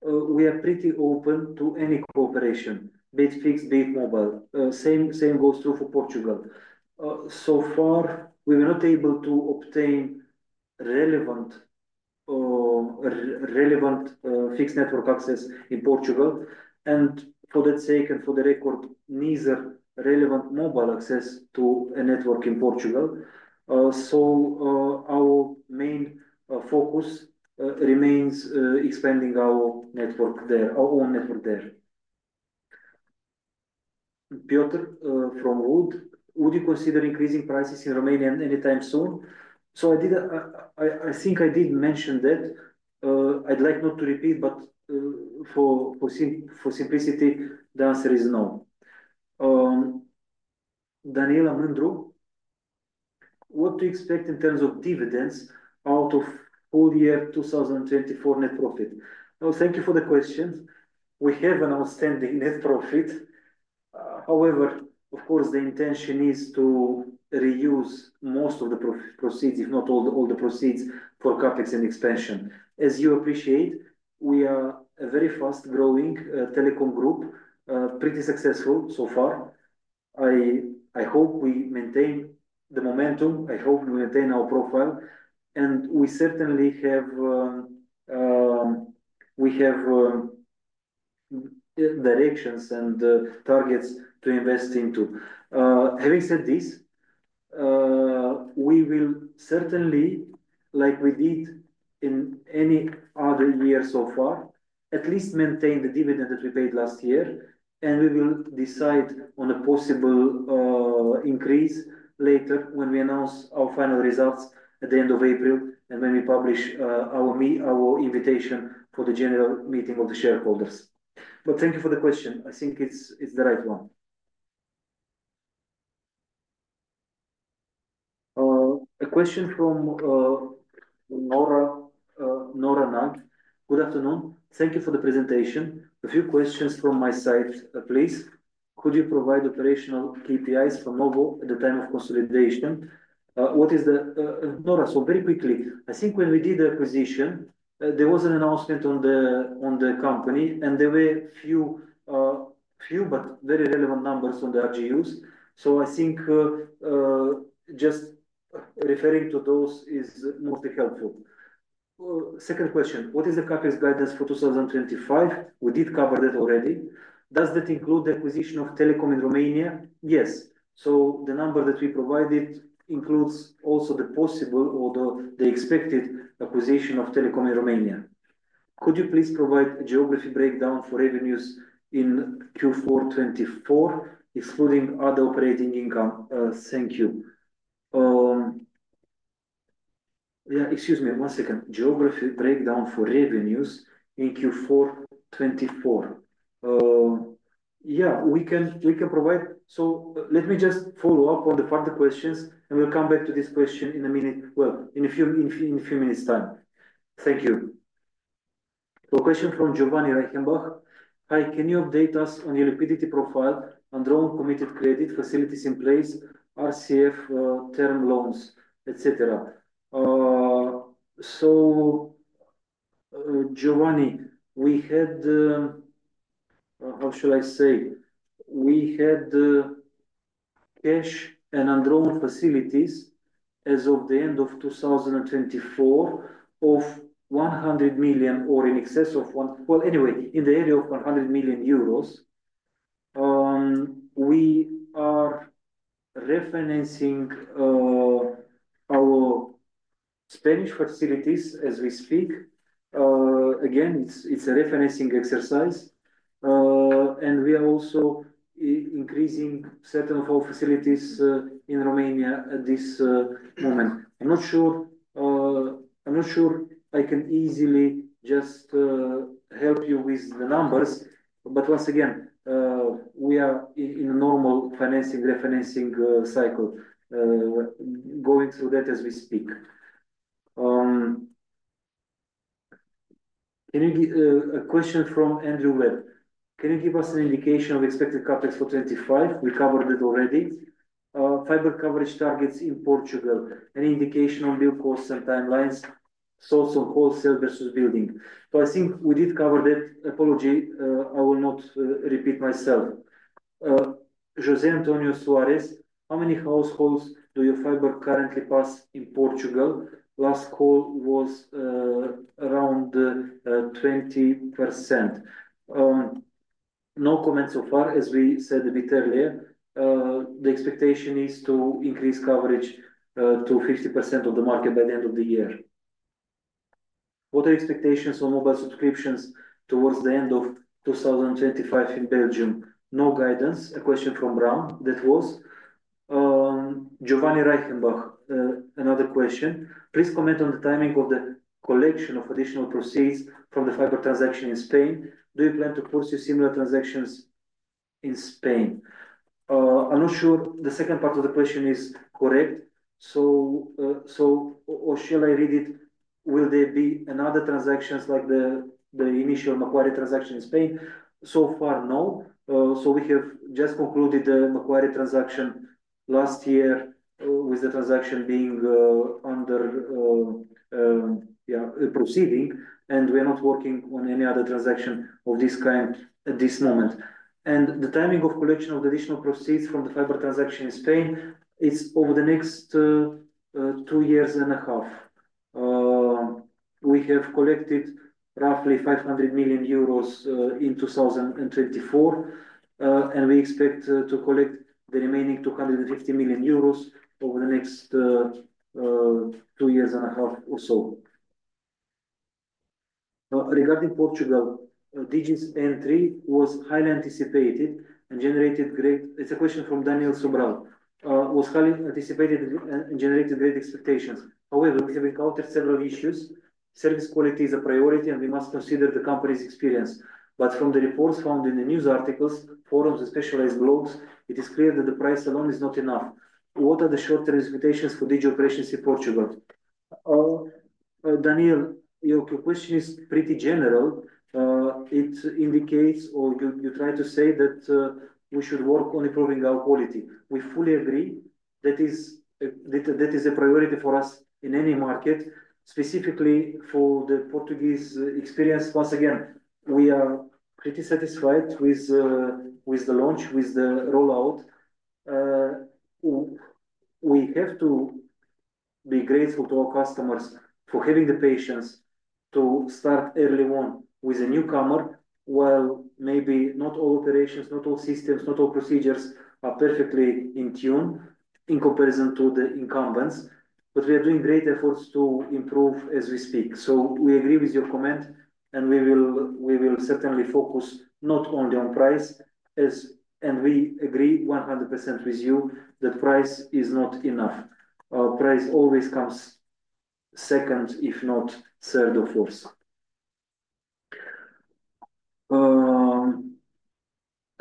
we are pretty open to any cooperation, be it fixed, be it mobile. The same goes true for Portugal. So far, we were not able to obtain relevant fixed network access in Portugal. For that sake and for the record, neither relevant mobile access to a network in Portugal. Our main focus remains expanding our network there, our own network there. Piotr from Wood, would you consider increasing prices in Romania anytime soon? I think I did mention that. I'd like not to repeat, but for simplicity, the answer is no. Daniela Mundru, what to expect in terms of dividends out of full year 2024 net profit? Thank you for the question. We have an outstanding net profit. However, of course, the intention is to reuse most of the proceeds, if not all the proceeds, for CAPEX and expansion. As you appreciate, we are a very fast-growing telecom group, pretty successful so far. I hope we maintain the momentum. I hope we maintain our profile. We certainly have directions and targets to invest into. Having said this, we will certainly, like we did in any other year so far, at least maintain the dividend that we paid last year. We will decide on a possible increase later when we announce our final results at the end of April and when we publish our invitation for the general meeting of the shareholders. Thank you for the question. I think it's the right one. A question from Nora Knight. Good afternoon. Thank you for the presentation. A few questions from my side, please. Could you provide operational KPIs for Novo at the time of consolidation? What is the Nora? Very quickly, I think when we did the acquisition, there was an announcement on the company, and there were a few, but very relevant numbers on the RGUs. I think just referring to those is mostly helpful. Second question, what is the CapEx guidance for 2025? We did cover that already. Does that include the acquisition of telecom in Romania? Yes. The number that we provided includes also the possible or the expected acquisition of telecom in Romania. Could you please provide a geography breakdown for revenues in Q4 2024, excluding other operating income? Thank you. Yeah, excuse me. One second. Geography breakdown for revenues in Q4 2024. Yeah, we can provide. Let me just follow up on the further questions, and we'll come back to this question in a minute. In a few minutes' time. Thank you. A question from Giovanni Reichenbach. Hi, can you update us on your liquidity profile, on drawn committed credit, facilities in place, RCF term loans, etc.? Giovanni, we had, how shall I say, we had cash and drawn facilities as of the end of 2024 of 100 million or in excess of, anyway, in the area of 100 million euros. We are referencing our Spanish facilities as we speak. Again, it's a referencing exercise. We are also increasing certain of our facilities in Romania at this moment. I'm not sure I can easily just help you with the numbers. Once again, we are in a normal financing referencing cycle, going through that as we speak. A question from Andrew Webb. Can you give us an indication of expected CAPEX for 2025? We covered it already. Fiber coverage targets in Portugal. Any indication on build costs and timelines? Source of wholesale versus building. I think we did cover that. Apology, I will not repeat myself. José Antonio Suarez, how many households do your fiber currently pass in Portugal? Last call was around 20%. No comment so far, as we said a bit earlier. The expectation is to increase coverage to 50% of the market by the end of the year. What are expectations on mobile subscriptions towards the end of 2025 in Belgium? No guidance. A question from Bram. That was Giovanni Reichenbach. Another question. Please comment on the timing of the collection of additional proceeds from the fiber transaction in Spain. Do you plan to pursue similar transactions in Spain? I'm not sure the second part of the question is correct. Shall I read it? Will there be another transaction like the initial Macquarie transaction in Spain? So far, no. We have just concluded the Macquarie transaction last year with the transaction being under proceeding. We are not working on any other transaction of this kind at this moment. The timing of collection of the additional proceeds from the fiber transaction in Spain is over the next two years and a half. We have collected roughly 500 million euros in 2024. We expect to collect the remaining 250 million euros over the next two years and a half or so. Regarding Portugal, Digi's entry was highly anticipated and generated great—it's a question from Daniel Sobral—was highly anticipated and generated great expectations. However, we have encountered several issues. Service quality is a priority, and we must consider the company's experience. From the reports found in the news articles, forums, and specialized blogs, it is clear that the price alone is not enough. What are the short-term expectations for Digi operations in Portugal? Daniel, your question is pretty general. It indicates, or you try to say, that we should work on improving our quality. We fully agree that is a priority for us in any market, specifically for the Portuguese experience. Once again, we are pretty satisfied with the launch, with the rollout. We have to be grateful to our customers for having the patience to start early on with a newcomer while maybe not all operations, not all systems, not all procedures are perfectly in tune in comparison to the incumbents. We are doing great efforts to improve as we speak. We agree with your comment, and we will certainly focus not only on price. We agree 100% with you that price is not enough. Price always comes second, if not third or fourth.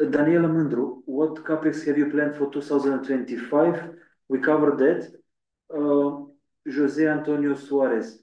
Daniela Mundru, what CapEx have you planned for 2025? We covered that. José Antonio Suarez,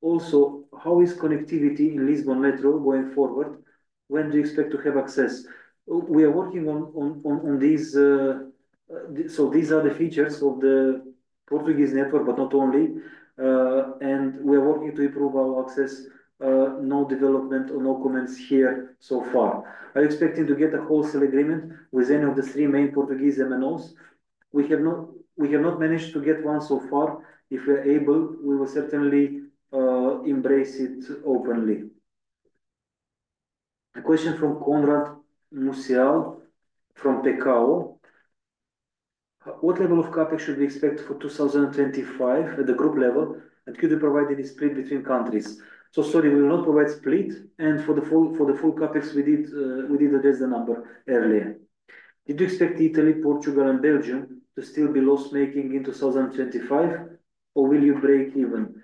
also, how is connectivity in Lisbon Metro going forward? When do you expect to have access? We are working on these. These are the features of the Portuguese network, but not only. We are working to improve our access. No development or no comments here so far. Are you expecting to get a wholesale agreement with any of the three main Portuguese MNOs? We have not managed to get one so far. If we are able, we will certainly embrace it openly. A question from Conrad Musial from Pekao. What level of CapEx should we expect for 2025 at the group level? Could you provide any split between countries? Sorry, we will not provide split. For the full CapEx, we did address the number earlier. Did you expect Italy, Portugal, and Belgium to still be loss-making in 2025, or will you break even?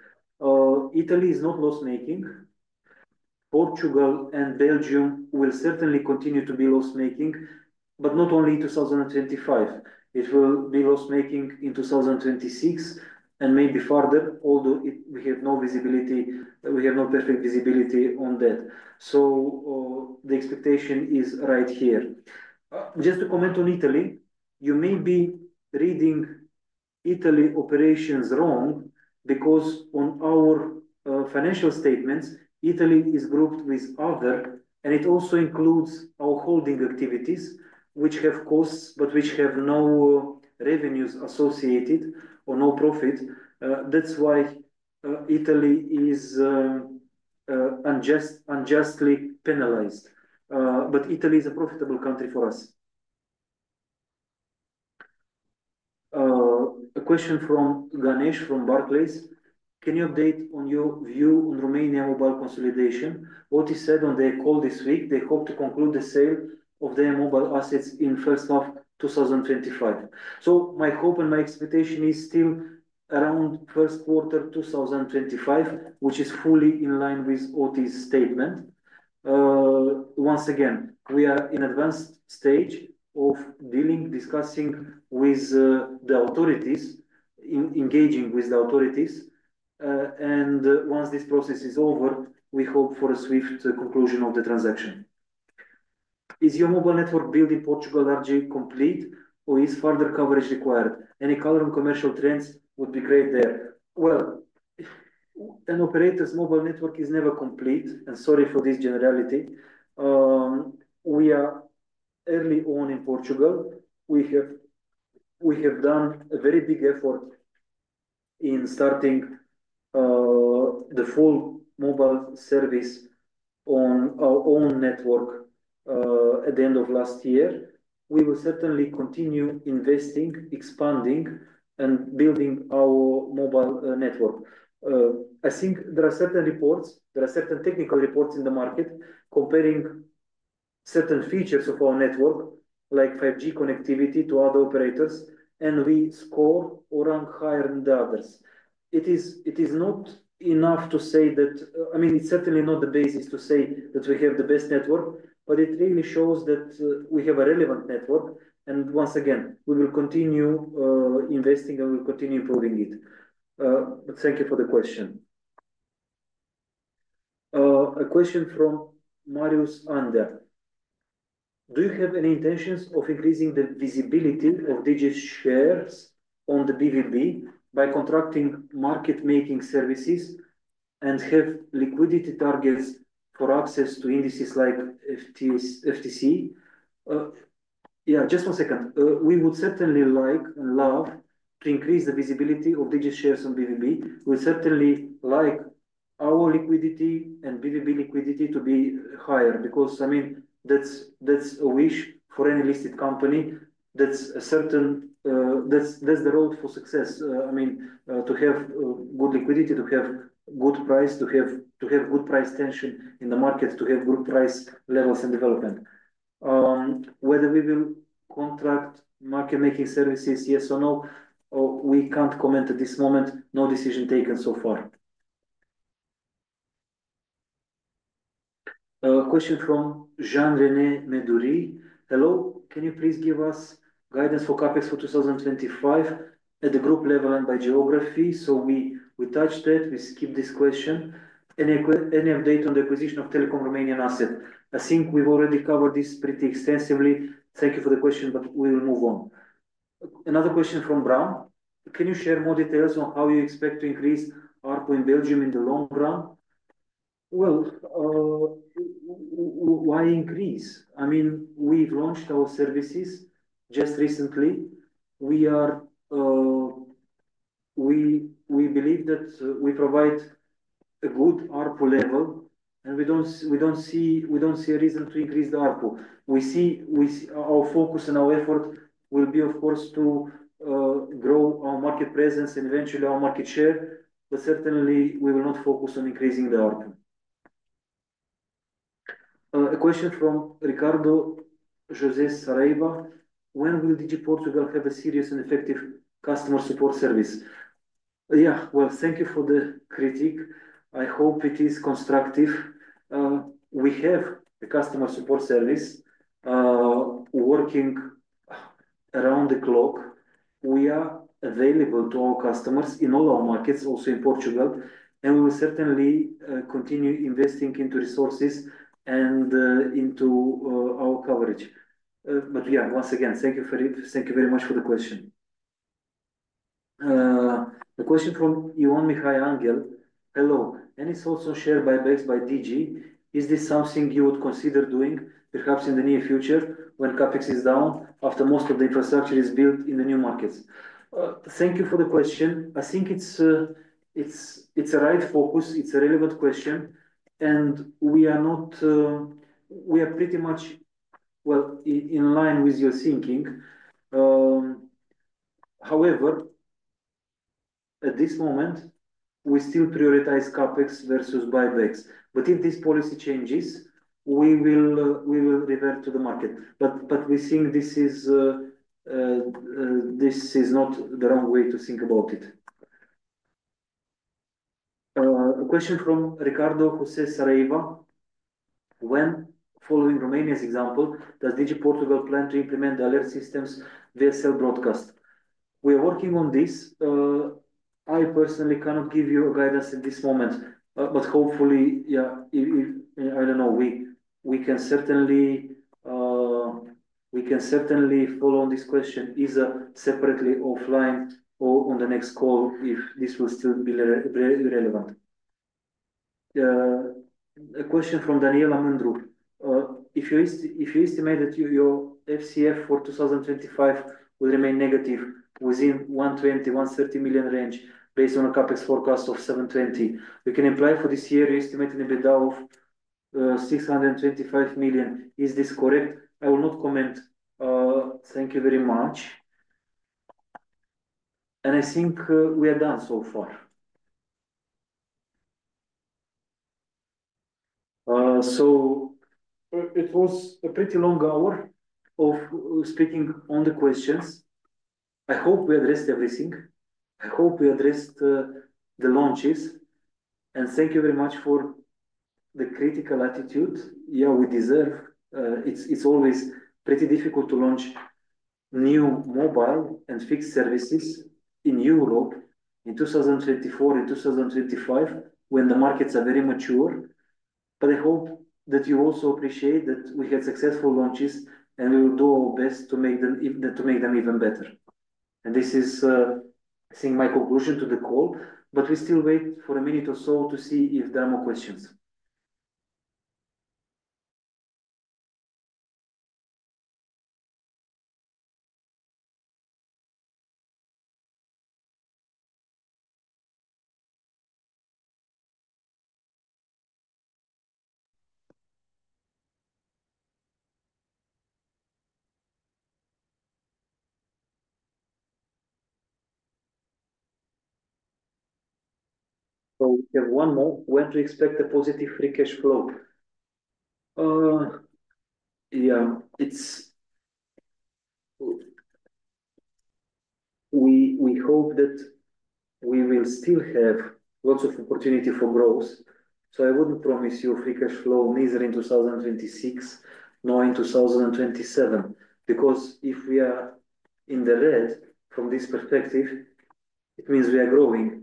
Italy is not loss-making. Portugal and Belgium will certainly continue to be loss-making, not only in 2025. It will be loss-making in 2026 and maybe further, although we have no visibility, we have no perfect visibility on that. The expectation is right here. Just to comment on Italy, you may be reading Italy operations wrong because on our financial statements, Italy is grouped with other, and it also includes our holding activities, which have costs but which have no revenues associated or no profit. That is why Italy is unjustly penalized. Italy is a profitable country for us. A question from Ganesh from Barclays. Can you update on your view on Romania mobile consolidation? What is said on their call this week? They hope to conclude the sale of their mobile assets in the first half of 2025. My hope and my expectation is still around first quarter 2025, which is fully in line with Otis' statement. Once again, we are in an advanced stage of dealing, discussing with the authorities, engaging with the authorities. Once this process is over, we hope for a swift conclusion of the transaction. Is your mobile network built in Portugal RG complete, or is further coverage required? Any color on commercial trends would be great there. An operator's mobile network is never complete, and sorry for this generality. We are early on in Portugal. We have done a very big effort in starting the full mobile service on our own network at the end of last year. We will certainly continue investing, expanding, and building our mobile network. I think there are certain reports, there are certain technical reports in the market comparing certain features of our network, like 5G connectivity to other operators, and we score or rank higher than the others. It is not enough to say that—I mean, it's certainly not the basis to say that we have the best network, but it really shows that we have a relevant network. Once again, we will continue investing and we will continue improving it. Thank you for the question. A question from Marius Ander. Do you have any intentions of increasing the visibility of Digi's shares on the BVB by contracting market-making services and have liquidity targets for access to indices like FTC? Yeah, just one second. We would certainly like and love to increase the visibility of Digi's shares on BVB. We would certainly like our liquidity and BVB liquidity to be higher because, I mean, that's a wish for any listed company. That's the road for success. I mean, to have good liquidity, to have good price, to have good price tension in the market, to have good price levels and development. Whether we will contract market-making services, yes or no, we can't comment at this moment. No decision taken so far. A question from Jean René Medouri. Hello. Can you please give us guidance for CapEx for 2025 at the group level and by geography? We touched it. We skipped this question. Any update on the acquisition of telecom Romanian asset? I think we've already covered this pretty extensively. Thank you for the question, but we will move on. Another question from Bram. Can you share more details on how you expect to increase ARPU in Belgium in the long run? Why increase? I mean, we've launched our services just recently. We believe that we provide a good ARPU level, and we do not see a reason to increase the ARPU. Our focus and our effort will be, of course, to grow our market presence and eventually our market share. Certainly, we will not focus on increasing the ARPU. A question from Ricardo José Saraíba. When will Digi Portugal have a serious and effective customer support service? Yeah, thank you for the critique. I hope it is constructive. We have a customer support service working around the clock. We are available to our customers in all our markets, also in Portugal. We will certainly continue investing into resources and into our coverage. Yeah, once again, thank you very much for the question. A question from Ioan Mihai Angel. Hello. Any thoughts on share buybacks by Digi? Is this something you would consider doing, perhaps in the near future when CapEx is down after most of the infrastructure is built in the new markets? Thank you for the question. I think it's a right focus. It's a relevant question. We are pretty much, well, in line with your thinking. However, at this moment, we still prioritize CapEx versus buybacks. If this policy changes, we will revert to the market. We think this is not the wrong way to think about it. A question from Ricardo José Saraíba. When following Romania's example, does Digi Portugal plan to implement the alert systems via cell broadcast? We are working on this. I personally cannot give you guidance at this moment. Hopefully, yeah, I don't know. We can certainly follow on this question, separately offline or on the next call if this will still be relevant. A question from Daniela Mundru. If you estimate that your FCF for 2025 will remain negative within the 120 million-130 million range based on a CapEx forecast of 720 million, we can imply for this year you're estimating a bid of 625 million. Is this correct? I will not comment. Thank you very much. I think we are done so far. It was a pretty long hour of speaking on the questions. I hope we addressed everything. I hope we addressed the launches. Thank you very much for the critical attitude. Yeah, we deserve it. It's always pretty difficult to launch new mobile and fixed services in Europe in 2024 and 2025 when the markets are very mature. I hope that you also appreciate that we had successful launches and we will do our best to make them even better. This is, I think, my conclusion to the call. We still wait for a minute or so to see if there are more questions. We have one more. When do you expect a positive free cash flow? Yeah. We hope that we will still have lots of opportunity for growth. I wouldn't promise you a free cash flow neither in 2026 nor in 2027. Because if we are in the red from this perspective, it means we are growing.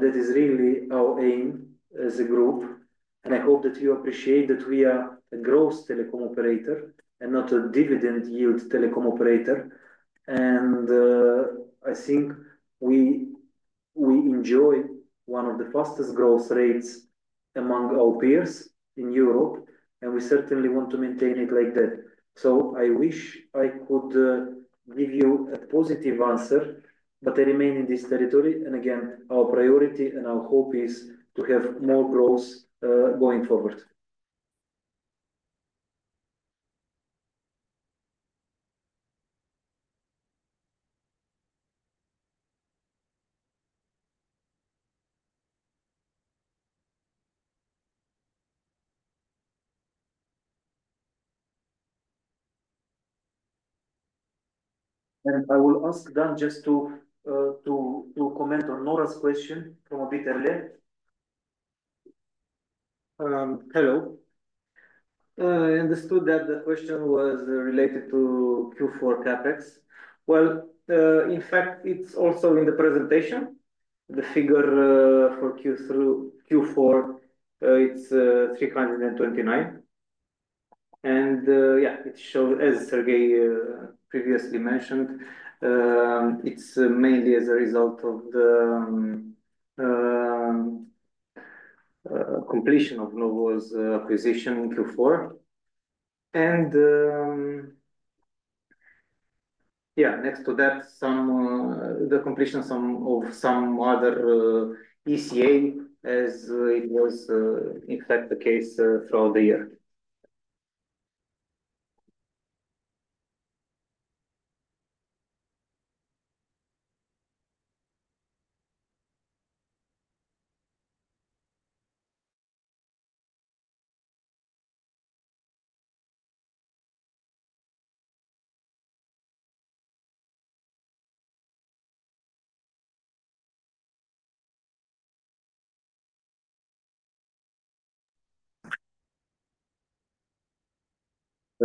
That is really our aim as a group. I hope that you appreciate that we are a growth telecom operator and not a dividend yield telecom operator. I think we enjoy one of the fastest growth rates among our peers in Europe. We certainly want to maintain it like that. I wish I could give you a positive answer, but I remain in this territory. Again, our priority and our hope is to have more growth going forward. I will ask Dan just to comment on Nora's question from a bit earlier. Hello. I understood that the question was related to Q4 CAPEX. In fact, it's also in the presentation. The figure for Q4, it's 329 million. It shows, as Serghei previously mentioned, it's mainly as a result of the completion of Novo's acquisition in Q4. Yeah, next to that, the completion of some other ECA, as it was, in fact, the case throughout the year.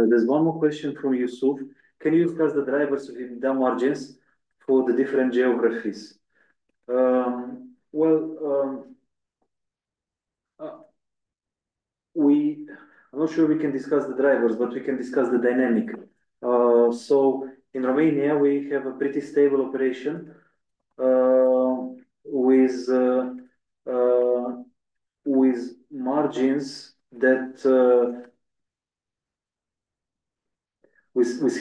There's one more question from Yusuf. Can you discuss the drivers of the margins for the different geographies? I am not sure we can discuss the drivers, but we can discuss the dynamic. In Romania, we have a pretty stable operation with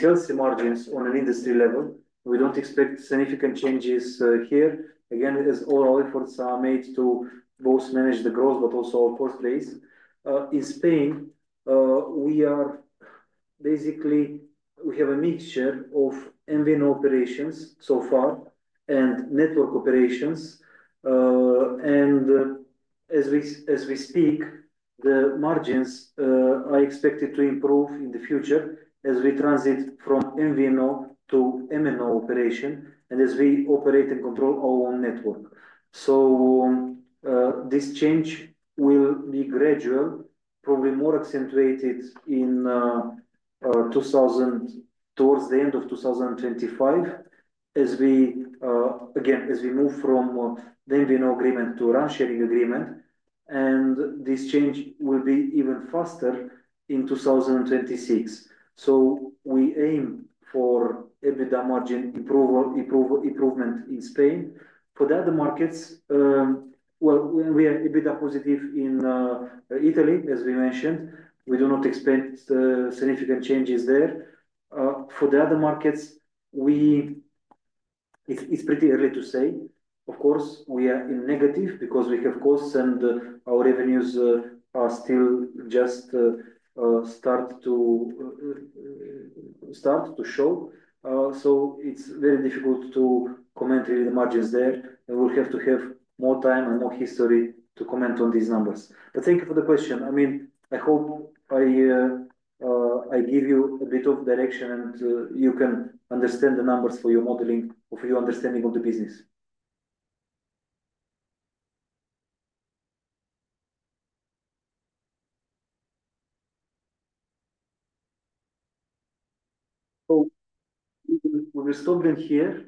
healthy margins on an industry level. We do not expect significant changes here. Again, as all our efforts are made to both manage the growth, but also our cost base. In Spain, we have a mixture of MVNO operations so far and network operations. As we speak, the margins are expected to improve in the future as we transit from MVNO to MNO operation and as we operate and control our own network. This change will be gradual, probably more accentuated towards the end of 2025, again, as we move from the MVNO agreement to a round-sharing agreement. This change will be even faster in 2026. We aim for EBITDA margin improvement in Spain. For the other markets, we are EBITDA positive in Italy, as we mentioned. We do not expect significant changes there. For the other markets, it is pretty early to say. Of course, we are in negative because we have costs and our revenues are still just starting to show. It is very difficult to comment really on the margins there. We will have to have more time and more history to comment on these numbers. Thank you for the question. I mean, I hope I give you a bit of direction and you can understand the numbers for your modeling or for your understanding of the business. We are stopping here.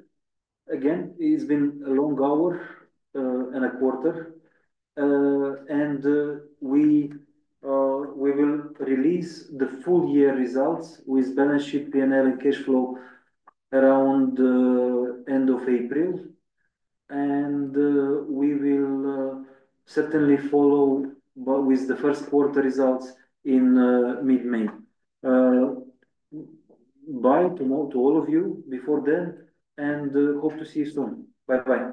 Again, it's been a long hour and a quarter. We will release the full year results with balance sheet, P&L, and cash flow around the end of April. We will certainly follow with the first quarter results in mid-May. Bye to all of you before then. Hope to see you soon. Bye-bye.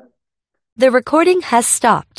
The recording has stopped.